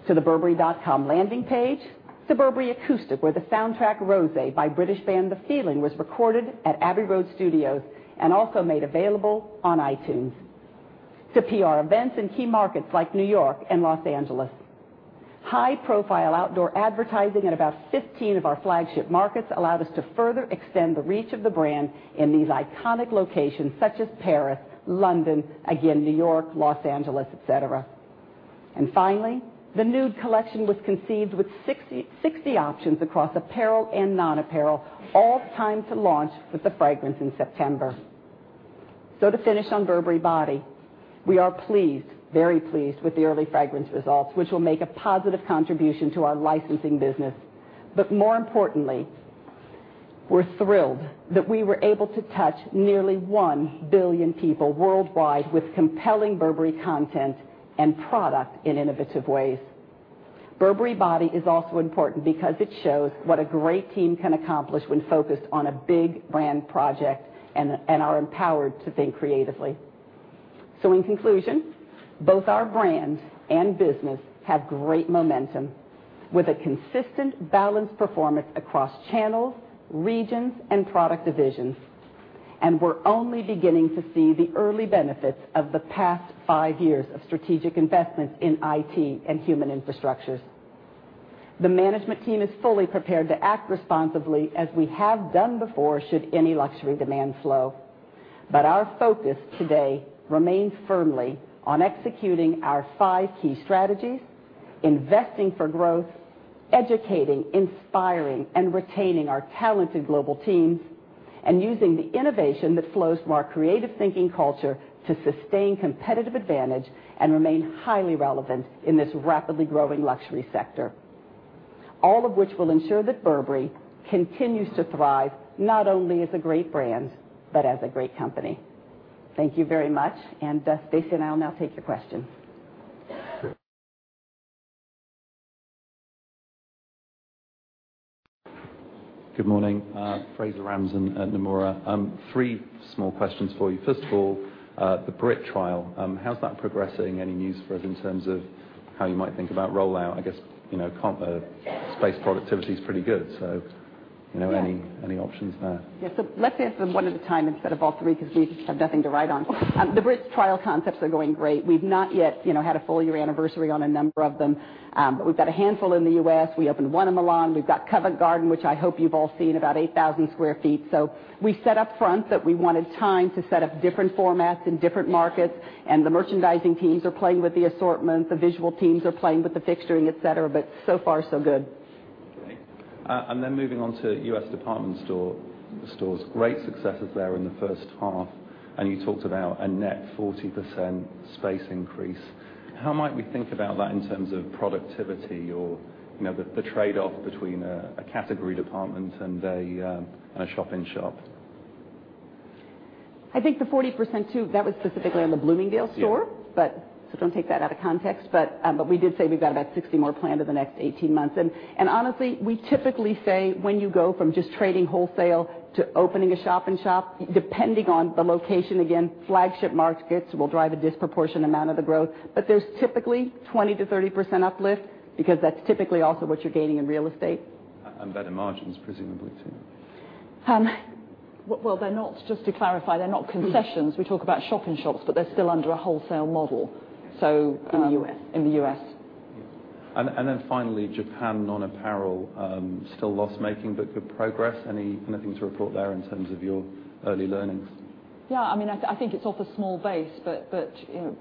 to the burberry.com landing page, to Burberry Acoustic, where the soundtrack "Rosé" by British band The Feeling was recorded at Abbey Road Studios and also made available on iTunes, to PR events in key markets like New York and Los Angeles. High-profile outdoor advertising in about 15 of our flagship markets allowed us to further extend the reach of the brand in these iconic locations such as Paris, London, New York, Los Angeles, et cetera. Finally, the nude collection was conceived with 60 options across apparel and non-apparel, all timed to launch with the fragrance in September. To finish on Burberry Body, we are pleased, very pleased with the early fragrance results, which will make a positive contribution to our licensing business. More importantly, we're thrilled that we were able to touch nearly 1 billion people worldwide with compelling Burberry content and product in innovative ways. Burberry Body is also important because it shows what a great team can accomplish when focused on a big brand project and are empowered to think creatively. In conclusion, both our brand and business have great momentum with a consistent, balanced performance across channels, regions, and product divisions. We're only beginning to see the early benefits of the past five years of strategic investments in IT and human infrastructures. The management team is fully prepared to act responsibly, as we have done before, should any luxury demand flow. Our focus today remains firmly on executing our five key strategies: investing for growth, educating, inspiring, and retaining our talented global teams, and using the innovation that flows from our creative thinking culture to sustain competitive advantage and remain highly relevant in this rapidly growing luxury sector, all of which will ensure that Burberry continues to thrive not only as a great brand but as a great company. Thank you very much. Stacey and I will now take your question. Good morning. Fraser Ramzan at Nomura. Three small questions for you. First of all, the Brit trial, how's that progressing? Any news for us in terms of how you might think about rollout? I guess space productivity is pretty good. Any options there? Yeah, let's answer them one at a time instead of all three because we just have nothing to write on. The Brit trial concepts are going great. We've not yet had a full-year anniversary on a number of them. We've got a handful in the U.S. We opened one in Milan. We've got Covent Garden, which I hope you've all seen, about 8,000 sq ft. We set up front that we wanted time to set up different formats in different markets. The merchandising teams are playing with the assortment. The visual teams are playing with the fixturing, et cetera. So far, so good. OK. Moving on to U.S. department stores, great successes there in the first half. You talked about a net 40% space increase. How might we think about that in terms of productivity or the trade-off between a category department and a shop-in-shop? I think the 40% too, that was specifically on the Bloomingdale store. Do not take that out of context. We did say we've got about 60 more planned in the next 18 months. Honestly, we typically say when you go from just trading wholesale to opening a shop-in-shop, depending on the location, flagship markets will drive a disproportionate amount of the growth. There's typically 20%-30% uplift because that's typically also what you're gaining in real estate. Better margins, presumably too. They're not, just to clarify, they're not concessions. We talk about shop-in-shops, but they're still under a wholesale model. In the U.S. In the U.S. Finally, Japan, non-apparel, still loss-making but good progress. Anything to report there in terms of your early learnings? Yeah, I mean, I think it's off a small base.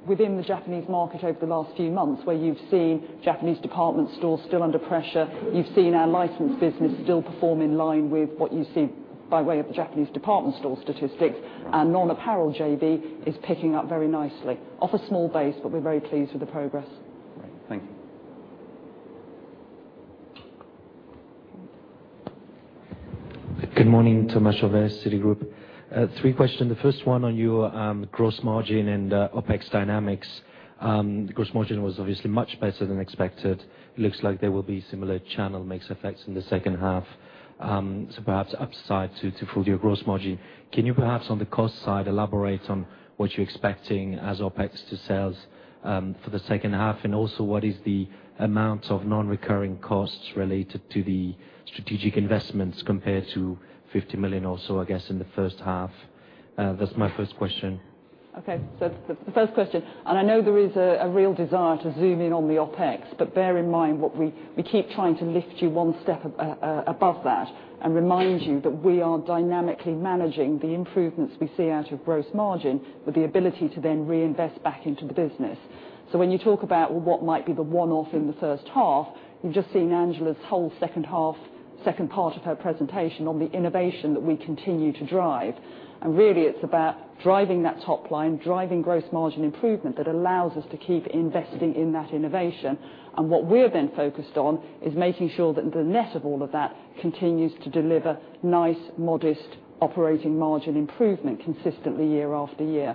Within the Japanese market over the last few months, where you've seen Japanese department stores still under pressure, you've seen our licensed business still perform in line with what you see by way of the Japanese department store statistics. Non-apparel JB is picking up very nicely. Off a small base, but we're very pleased with the progress. Great. Thank you. Good morning. Thomas Chauvet, Citigroup. Three questions. The first one on your gross margin and OpEx dynamics. Gross margin was obviously much better than expected. It looks like there will be similar channel mix effects in the second half. Perhaps there is upside to fully your gross margin. Can you perhaps on the cost side elaborate on what you're expecting as OpEx to sales for the second half? Also, what is the amount of non-recurring costs related to the strategic investments compared to 50 million or so, I guess, in the first half? That's my first question. OK. The first question, and I know there is a real desire to zoom in on the OpEx. Bear in mind, we keep trying to lift you one step above that and remind you that we are dynamically managing the improvements we see out of gross margin with the ability to then reinvest back into the business. When you talk about what might be the one-off in the first half, you've just seen Angela's whole second half, second part of her presentation on the innovation that we continue to drive. It's about driving that top line, driving gross margin improvement that allows us to keep investing in that innovation. What we're then focused on is making sure that the net of all of that continues to deliver nice, modest operating margin improvement consistently year after year.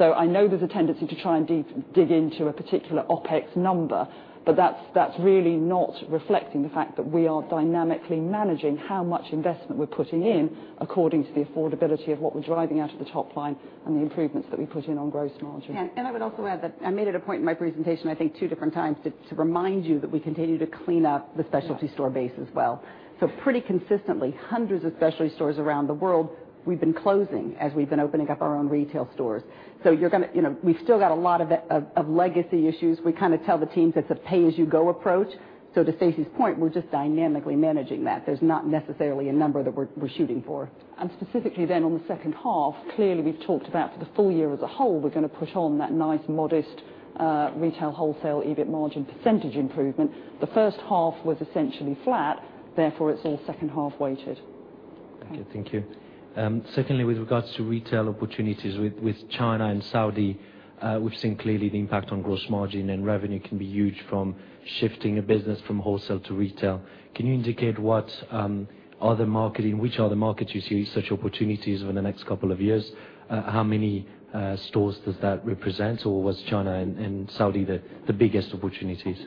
I know there's a tendency to try and dig into a particular OpEx number, but that's really not reflecting the fact that we are dynamically managing how much investment we're putting in according to the affordability of what we're driving out of the top line and the improvements that we put in on gross margin. I would also add that I made it a point in my presentation, I think, two different times to remind you that we continue to clean up the specialty store base as well. Pretty consistently, hundreds of specialty stores around the world, we've been closing as we've been opening up our own retail stores. We've still got a lot of legacy issues. We kind of tell the teams it's a pay-as-you-go approach. To Stacey's point, we're just dynamically managing that. There's not necessarily a number that we're shooting for. Specifically then on the second half, clearly we've talked about to the full year as a whole, we're going to push on that nice, modest retail wholesale EBIT margin % improvement. The first half was essentially flat. Therefore, it's all second half weighted. OK, thank you. Secondly, with regards to retail opportunities with China and Saudi, we've seen clearly the impact on gross margin and revenue can be huge from shifting a business from wholesale to retail. Can you indicate in which other markets you see such opportunities over the next couple of years? How many stores does that represent? Was China and Saudi the biggest opportunities?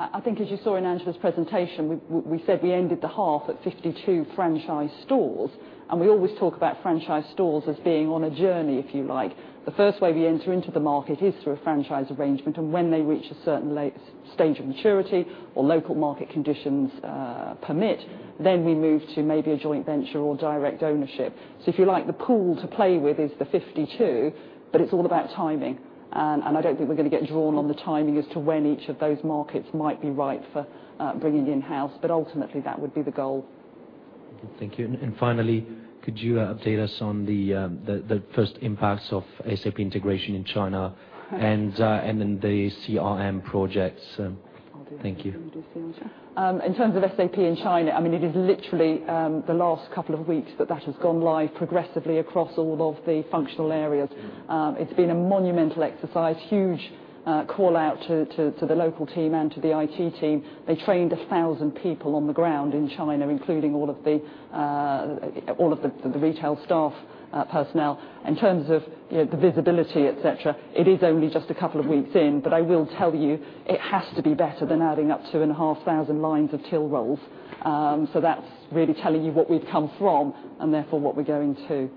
I think as you saw in Angela's presentation, we said we ended the half at 52 franchise stores. We always talk about franchise stores as being on a journey, if you like. The first way we enter into the market is through a franchise arrangement. When they reach a certain stage of maturity or local market conditions permit, we move to maybe a joint venture or direct ownership. If you like, the pool to play with is the 52. It's all about timing. I don't think we're going to get drawn on the timing as to when each of those markets might be ripe for bringing in-house. Ultimately, that would be the goal. Thank you. Finally, could you update us on the first impacts of SAP integration in China and then the CRM projects? I'll do that. Thank you. In terms of SAP in China, it is literally the last couple of weeks that that has gone live progressively across all of the functional areas. It's been a monumental exercise, huge call out to the local team and to the IT team. They trained 1,000 people on the ground in China, including all of the retail staff personnel. In terms of the visibility, et cetera, it is only just a couple of weeks in. I will tell you, it has to be better than adding up to 2,500 lines of till rolls. That's really telling you what we've come from and therefore what we're going to.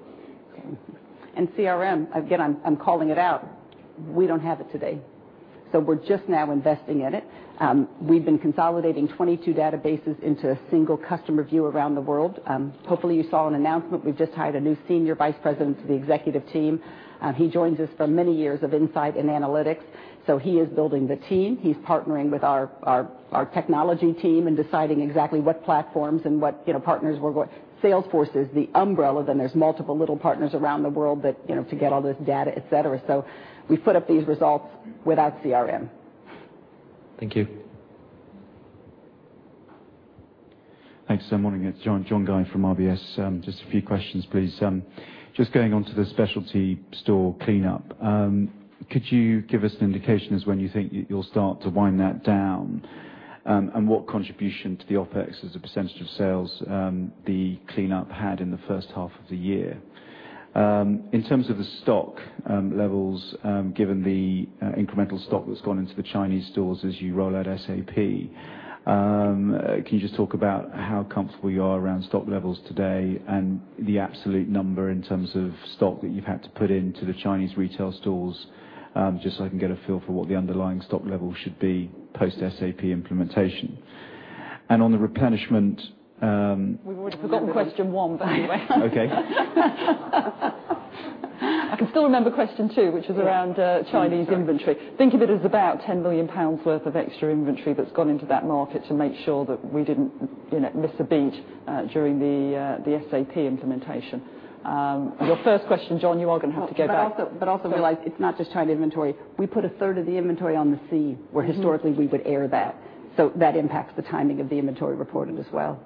CRM, again, I'm calling it out. We don't have it today. We're just now investing in it. We've been consolidating 22 databases into a single customer view around the world. Hopefully, you saw an announcement. We've just hired a new Senior Vice President to the executive team. He joins us for many years of insight and analytics. He is building the team. He's partnering with our technology team in deciding exactly what platforms and what partners we're going to. Salesforce is the umbrella. There are multiple little partners around the world to get all this data, et cetera. We put up these results without CRM. Thank you. Thanks. Good morning. It's John Guy from RBS. Just a few questions, please. Going on to the specialty store cleanup, could you give us an indication as to when you think you'll start to wind that down? What contribution to the OpEx as a percent of sales the cleanup had in the first half of the year? In terms of the stock levels, given the incremental stock that's gone into the Chinese stores as you roll out SAP, can you just talk about how comfortable you are around stock levels today and the absolute number in terms of stock that you've had to put into the Chinese retail stores just so I can get a feel for what the underlying stock level should be post-SAP implementation? On the replenishment. We've already forgotten question one, by the way. OK. I can still remember question two, which was around Chinese inventory. Think of it as about 10 million pounds worth of extra inventory that's gone into that market to make sure that we didn't miss a beat during the SAP implementation. Your first question, John, you are going to have to go back. Also realize it's not just China inventory. We put a third of the inventory on the sea, where historically we would air that. That impacts the timing of the inventory reported as well.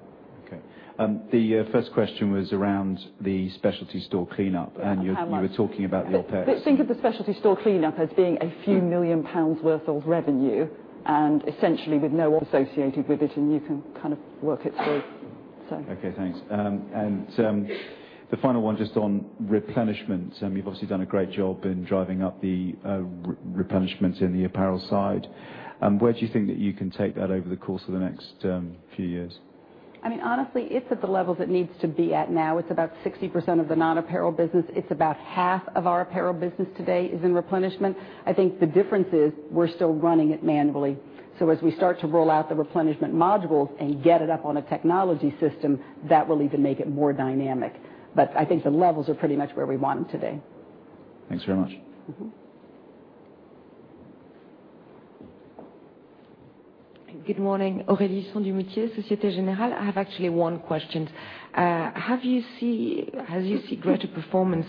OK. The first question was around the specialty store cleanup. You were talking about the OpEx. Think of the specialty store cleanup as being a few million pounds' worth of revenue, essentially with no associated profit with it. You can kind of work it through. OK, thanks. The final one just on replenishment. You've obviously done a great job in driving up the replenishment in the apparel side. Where do you think that you can take that over the course of the next few years? Honestly, it's at the levels it needs to be at now. It's about 60% of the non-apparel business. It's about half of our apparel business today is in replenishment. I think the difference is we're still running it manually. As we start to roll out the replenishment modules and get it up on a technology system, that will even make it more dynamic. I think the levels are pretty much where we want them today. Thanks very much. Good morning. Aurélie Husson-Dumoutier, Société Générale. I have actually one question. Have you seen greater performance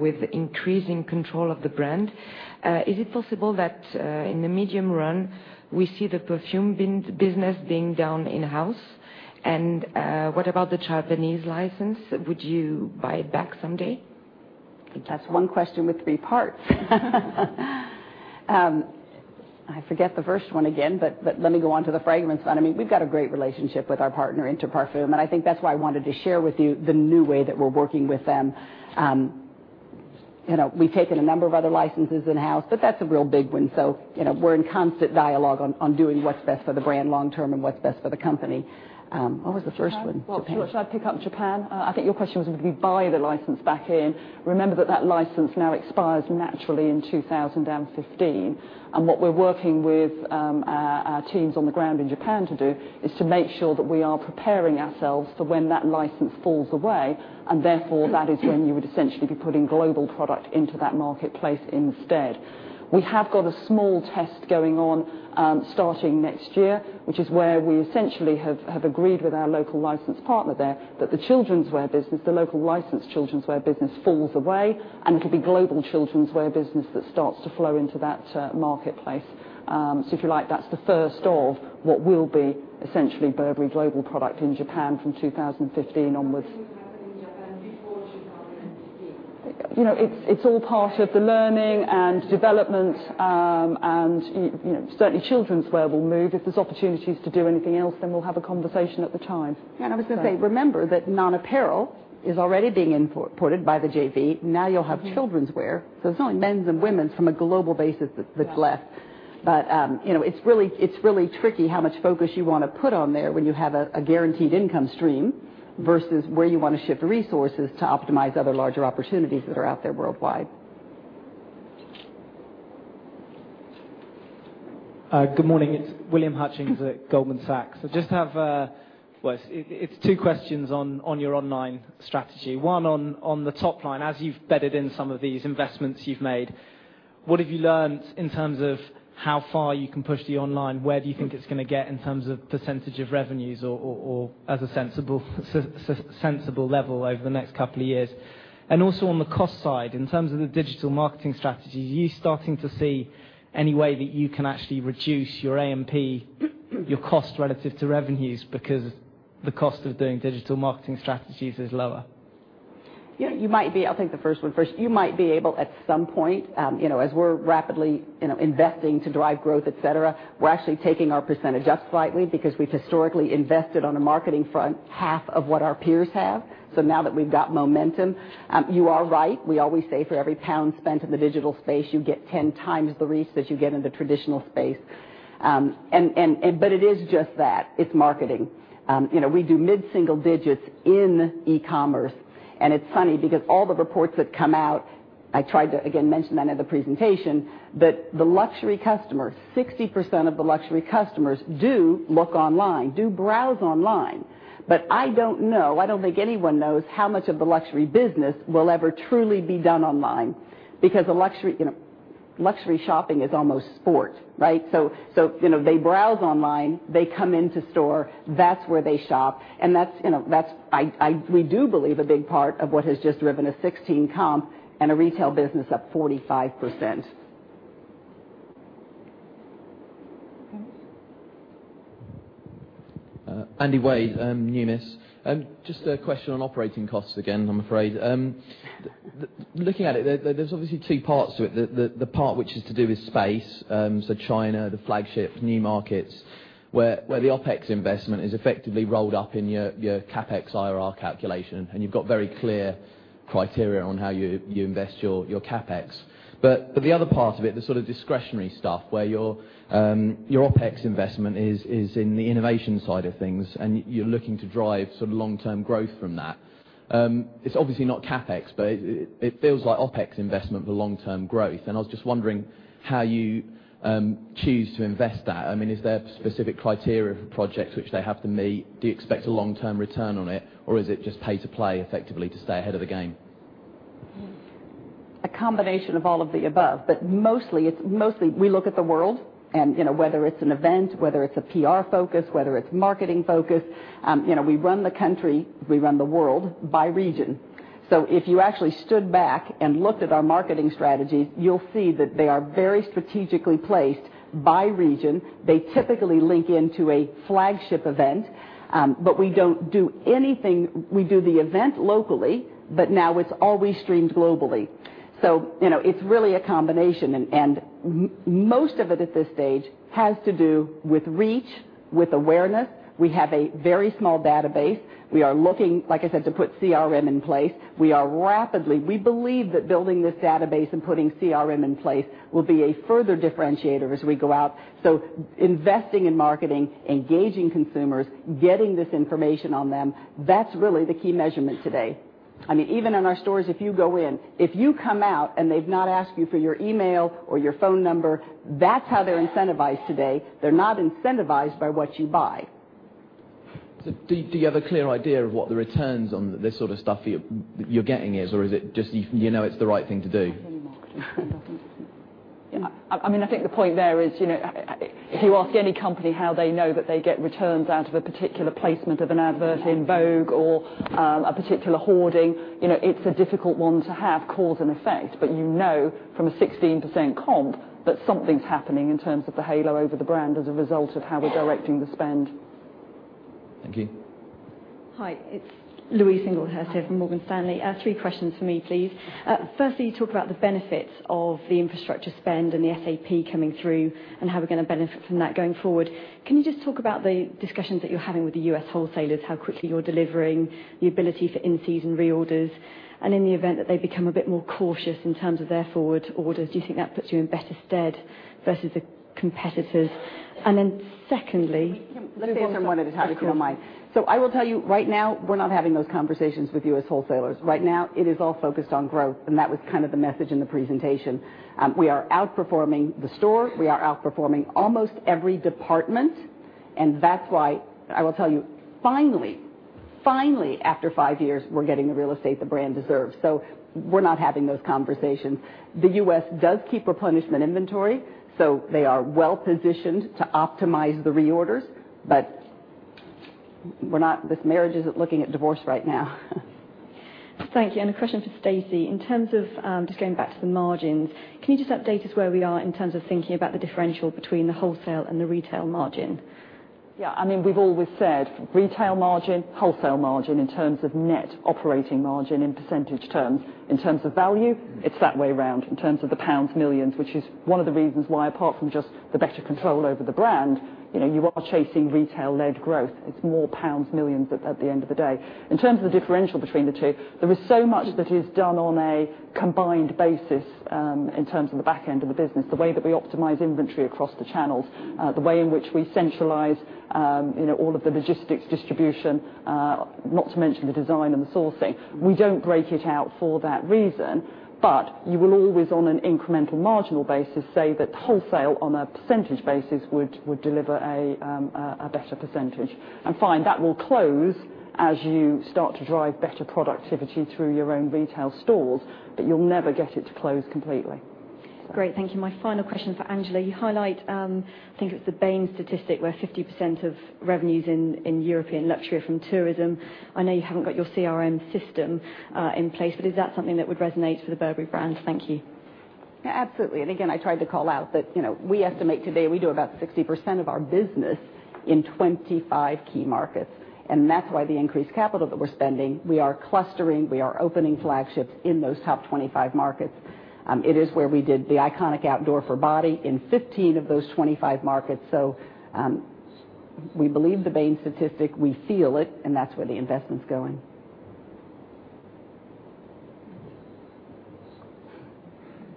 with increasing control of the brand? Is it possible that in the medium run, we see the perfume business being done in-house? What about the Japanese license? Would you buy it back someday? That's one question with three parts. I forget the first one again, but let me go on to the fragrance one. I mean, we've got a great relationship with our partner, Interparfums. I think that's why I wanted to share with you the new way that we're working with them. We've taken a number of other licenses in-house, but that's a real big one. We're in constant dialogue on doing what's best for the brand long term and what's best for the company. What was the first one? Sure. I'd pick up Japan. I think your question was, would we buy the license back in? Remember that that license now expires naturally in 2015. What we're working with our teams on the ground in Japan to do is to make sure that we are preparing ourselves for when that license falls away. Therefore, that is when you would essentially be putting global product into that marketplace instead. We have got a small test going on starting next year, which is where we essentially have agreed with our local license partner there that the children's wear business, the local licensed children's wear business, falls away. It'll be global children's wear business that starts to flow into that marketplace. If you like, that's the first of what will be essentially Burberry global product in Japan from 2015 onwards. It's all part of the learning and development. Certainly, children's wear will move. If there's opportunities to do anything else, then we'll have a conversation at the time. Yeah, I was going to say, remember that non-apparel is already being imported by the JV. Now you'll have children's wear. It's only men's and women's from a global basis that's left. It's really tricky how much focus you want to put on there when you have a guaranteed income stream versus where you want to shift resources to optimize other larger opportunities that are out there worldwide. Good morning. It's William Hutchings at Goldman Sachs. I just have two questions on your online strategy. One on the top line, as you've bedded in some of these investments you've made, what have you learned in terms of how far you can push the online? Where do you think it's going to get in terms of percent of revenues or as a sensible level over the next couple of years? Also, on the cost side, in terms of the digital marketing strategies, are you starting to see any way that you can actually reduce your AMP, your cost relative to revenues, because the cost of doing digital marketing strategies is lower? Yeah, you might be, I'll take the first one first. You might be able at some point, as we're rapidly investing to drive growth, et cetera, we're actually taking our percentage up slightly because we've historically invested on a marketing front half of what our peers have. Now that we've got momentum, you are right. We always say for every pound spent in the digital space, you get 10x the reach that you get in the traditional space. It is just that. It's marketing. We do mid-single digits in e-commerce. It's funny because all the reports that come out, I tried to again mention that in the presentation, that the luxury customers, 60% of the luxury customers do look online, do browse online. I don't know, I don't think anyone knows how much of the luxury business will ever truly be done online because luxury shopping is almost sport. They browse online. They come into store. That's where they shop. We do believe a big part of what has just driven a 16 comp and a retail business up 45%. Thanks. Andy Wade from Numis. Just a question on operating costs again, I'm afraid. Looking at it, there's obviously two parts to it. The part which is to do with space, so China, the flagship, new markets, where the OpEx investment is effectively rolled up in your CapEx IRR calculation. You've got very clear criteria on how you invest your CapEx. The other part of it, the sort of discretionary stuff where your OpEx investment is in the innovation side of things, and you're looking to drive sort of long-term growth from that. It's obviously not CapEx, but it feels like OpEx investment for long-term growth. I was just wondering how you choose to invest that. I mean, is there specific criteria for projects which they have to meet? Do you expect a long-term return on it? Is it just pay to play effectively to stay ahead of the game? A combination of all of the above. Mostly, we look at the world and whether it's an event, whether it's a PR focus, whether it's marketing focus. We run the country, we run the world by region. If you actually stood back and looked at our marketing strategies, you'll see that they are very strategically placed by region. They typically link into a flagship event. We don't do anything. We do the event locally, but now it's always streamed globally. It's really a combination. Most of it at this stage has to do with reach, with awareness. We have a very small database. We are looking, like I said, to put CRM in place. We believe that building this database and putting CRM in place will be a further differentiator as we go out. Investing in marketing, engaging consumers, getting this information on them, that's really the key measurement today. I mean, even in our stores, if you go in, if you come out and they've not asked you for your email or your phone number, that's how they're incentivized today. They're not incentivized by what you buy. Do you have a clear idea of what the returns on this sort of stuff that you're getting is? Or is it just you know it's the right thing to do? I think the point there is if you ask any company how they know that they get returns out of a particular placement of an advert in Vogue or a particular hoarding, it's a difficult one to have cause and effect. You know from a 16% comp that something's happening in terms of the halo over the brand as a result of how we're directing the spend. Thank you. Hi. It's Louise Singleton here from Morgan Stanley. Three questions for me, please. Firstly, you talk about the benefits of the infrastructure spend and the SAP coming through and how we're going to benefit from that going forward. Can you just talk about the discussions that you're having with the U.S. wholesalers, how quickly you're delivering, the ability for in-season reorders? In the event that they become a bit more cautious in terms of their forward orders, do you think that puts you in better stead versus the competitors? Secondly. Let me answer them one at a time, if you don't mind. I will tell you, right now, we're not having those conversations with U.S. wholesalers. Right now, it is all focused on growth. That was kind of the message in the presentation. We are outperforming the store. We are outperforming almost every department. That's why I will tell you, finally, finally, after five years, we're getting the real estate the brand deserves. We're not having those conversations. The U.S. does keep replenishment inventory, so they are well positioned to optimize the reorders. This marriage isn't looking at divorce right now. Thank you. A question for Stacey. In terms of just going back to the margins, can you just update us where we are in terms of thinking about the differential between the wholesale and the retail margin? Yeah, I mean, we've always said retail margin, wholesale margin in terms of net operating margin in percentage terms. In terms of value, it's that way around. In terms of the pounds millions, which is one of the reasons why, apart from just the better control over the brand, you are chasing retail-led growth. It's more pounds millions at the end of the day. In terms of the differential between the two, there is so much that is done on a combined basis in terms of the back end of the business, the way that we optimize inventory across the channels, the way in which we centralize all of the logistics distribution, not to mention the design and the sourcing. We don't break it out for that reason. You will always, on an incremental marginal basis, say that wholesale on a percentage basis would deliver a better percentage. That will close as you start to drive better productivity through your own retail stores. You'll never get it to close completely. Great. Thank you. My final question for Angela. You highlight, I think it was the Bain statistic, where 50% of revenues in European luxury are from tourism. I know you haven't got your CRM system in place. Is that something that would resonate for the Burberry brand? Thank you. Absolutely. I tried to call out that we estimate today we do about 60% of our business in 25 key markets. That's why the increased capital that we're spending, we are clustering, we are opening flagships in those top 25 markets. It is where we did the iconic outdoor for Burberry Body in 15 of those 25 markets. We believe the Bain statistic. We feel it. That's where the investment's going.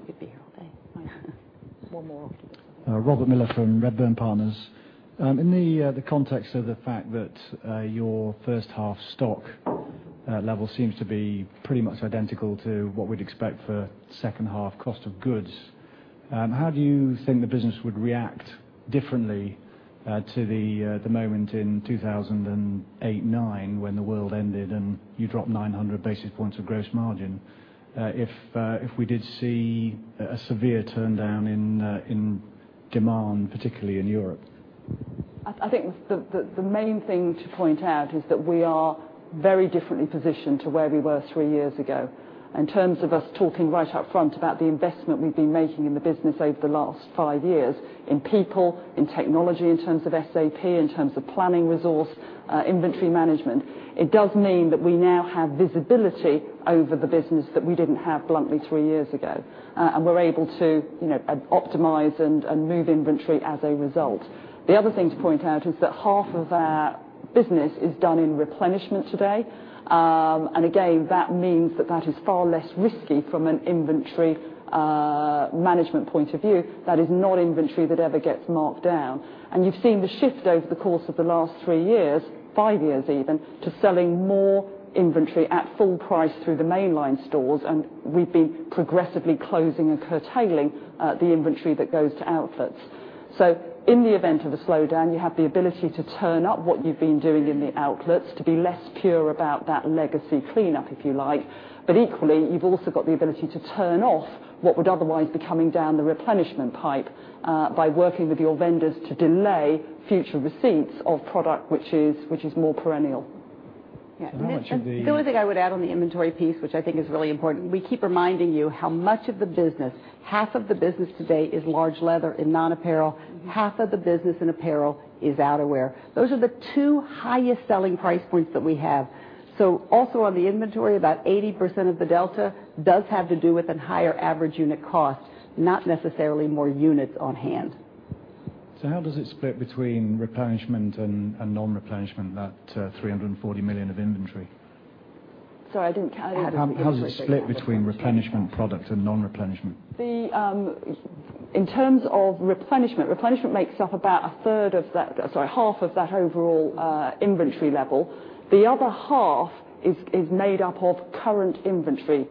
Good to hear. OK. One more. Robert Miller from Redburn Partners. In the context of the fact that your first half stock level seems to be pretty much identical to what we'd expect for second half cost of goods, how do you think the business would react differently to the moment in 2008-2009 when the world ended and you dropped 900 basis points of gross margin if we did see a severe turndown in demand, particularly in Europe? I think the main thing to point out is that we are very differently positioned to where we were three years ago. In terms of us talking right up front about the investment we've been making in the business over the last five years in people, in technology, in terms of SAP, in terms of planning resource, inventory management, it does mean that we now have visibility over the business that we didn't have bluntly three years ago. We're able to optimize and move inventory as a result. The other thing to point out is that half of our business is done in replenishment today. Again, that means that that is far less risky from an inventory management point of view. That is not inventory that ever gets marked down. You've seen the shift over the course of the last three years, five years even, to selling more inventory at full price through the mainline stores. We've been progressively closing and curtailing the inventory that goes to outlets. In the event of a slowdown, you have the ability to turn up what you've been doing in the outlets to be less pure about that legacy cleanup, if you like. Equally, you've also got the ability to turn off what would otherwise be coming down the replenishment pipe by working with your vendors to delay future receipts of product which is more perennial. The only thing I would add on the inventory piece, which I think is really important, we keep reminding you how much of the business, half of the business today is large leather in non-apparel. Half of the business in apparel is outerwear. Those are the two highest selling price points that we have. Also on the inventory, about 80% of the delta does have to do with a higher average unit cost, not necessarily more units on hand. How does it split between replenishment and non-replenishment, that 340 million of inventory? Sorry, I didn't catch that. How does it split between replenishment products and non-replenishment? In terms of replenishment, replenishment makes up about a third of that, sorry, half of that overall inventory level. The other half is made up of current inventory.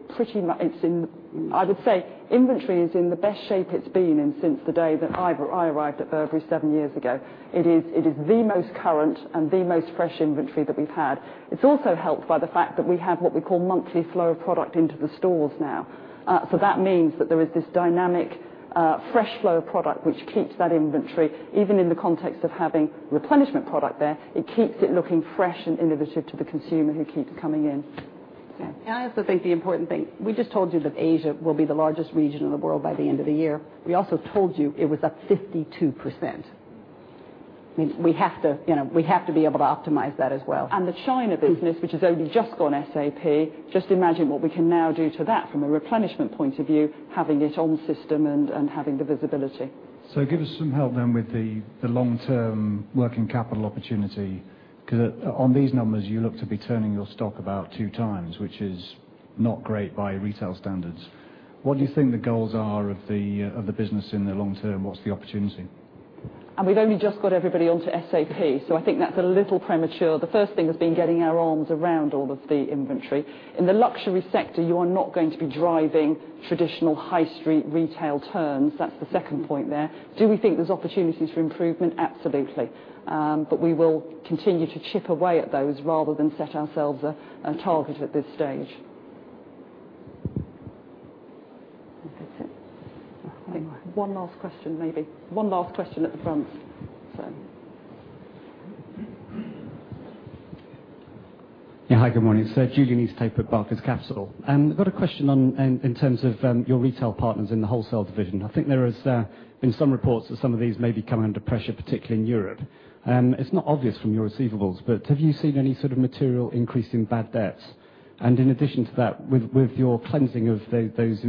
I would say inventory is in the best shape it's been in since the day that I arrived at Burberry seven years ago. It is the most current and the most fresh inventory that we've had. It's also helped by the fact that we have what we call monthly flow of product into the stores now. That means that there is this dynamic, fresh flow of product which keeps that inventory, even in the context of having replenishment product there. It keeps it looking fresh and innovative to the consumer who keeps coming in. Yeah, I also think the important thing, we just told you that Asia will be the largest region in the world by the end of the year. We also told you it was up 52%. We have to be able to optimize that as well. The China business, which has only just gone SAP, just imagine what we can now do to that from a replenishment point of view, having its own system and having the visibility. Give us some help then with the long-term working capital opportunity. Because on these numbers, you look to be turning your stock about two times, which is not great by retail standards. What do you think the goals are of the business in the long term? What's the opportunity? We've only just got everybody onto SAP. I think that's a little premature. The first thing has been getting our arms around all of the inventory. In the luxury sector, you are not going to be driving traditional high street retail turns. That's the second point there. Do we think there's opportunities for improvement? Absolutely. We will continue to chip away at those rather than set ourselves a target at this stage. That's it. I think we'll have one last question later. One Last question at the front, sir. Yeah, hi, good morning. Julian Easthope from Barclays Capital. I've got a question on, in terms of, your retail partners in the wholesale division. I think there is, in some reports that some of these may be coming under pressure, particularly in Europe. It's not obvious from your receivables, but have you seen any sort of material increase in bad debts? In addition to that, with your cleansing of those,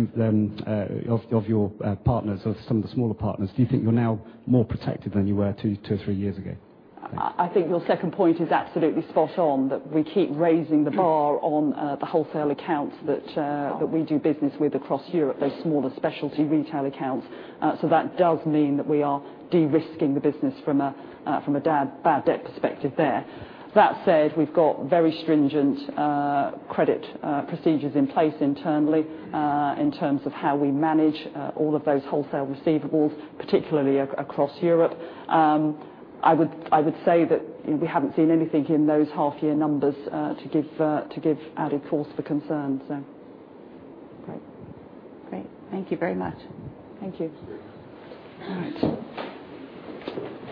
of your partners, of some of the smaller partners, do you think you're now more protected than you were two, two or three years ago? I think your second point is absolutely spot on, that we keep raising the bar on the wholesale accounts that we do business with across Europe, those smaller specialty retail accounts. That does mean that we are de-risking the business from a bad debt perspective there. That said, we've got very stringent credit procedures in place internally, in terms of how we manage all of those wholesale receivables, particularly across Europe. I would say that we haven't seen anything in those half-year numbers to give added force for concern. Great. Great. Thank you very much. Thank you. Thank you. All right.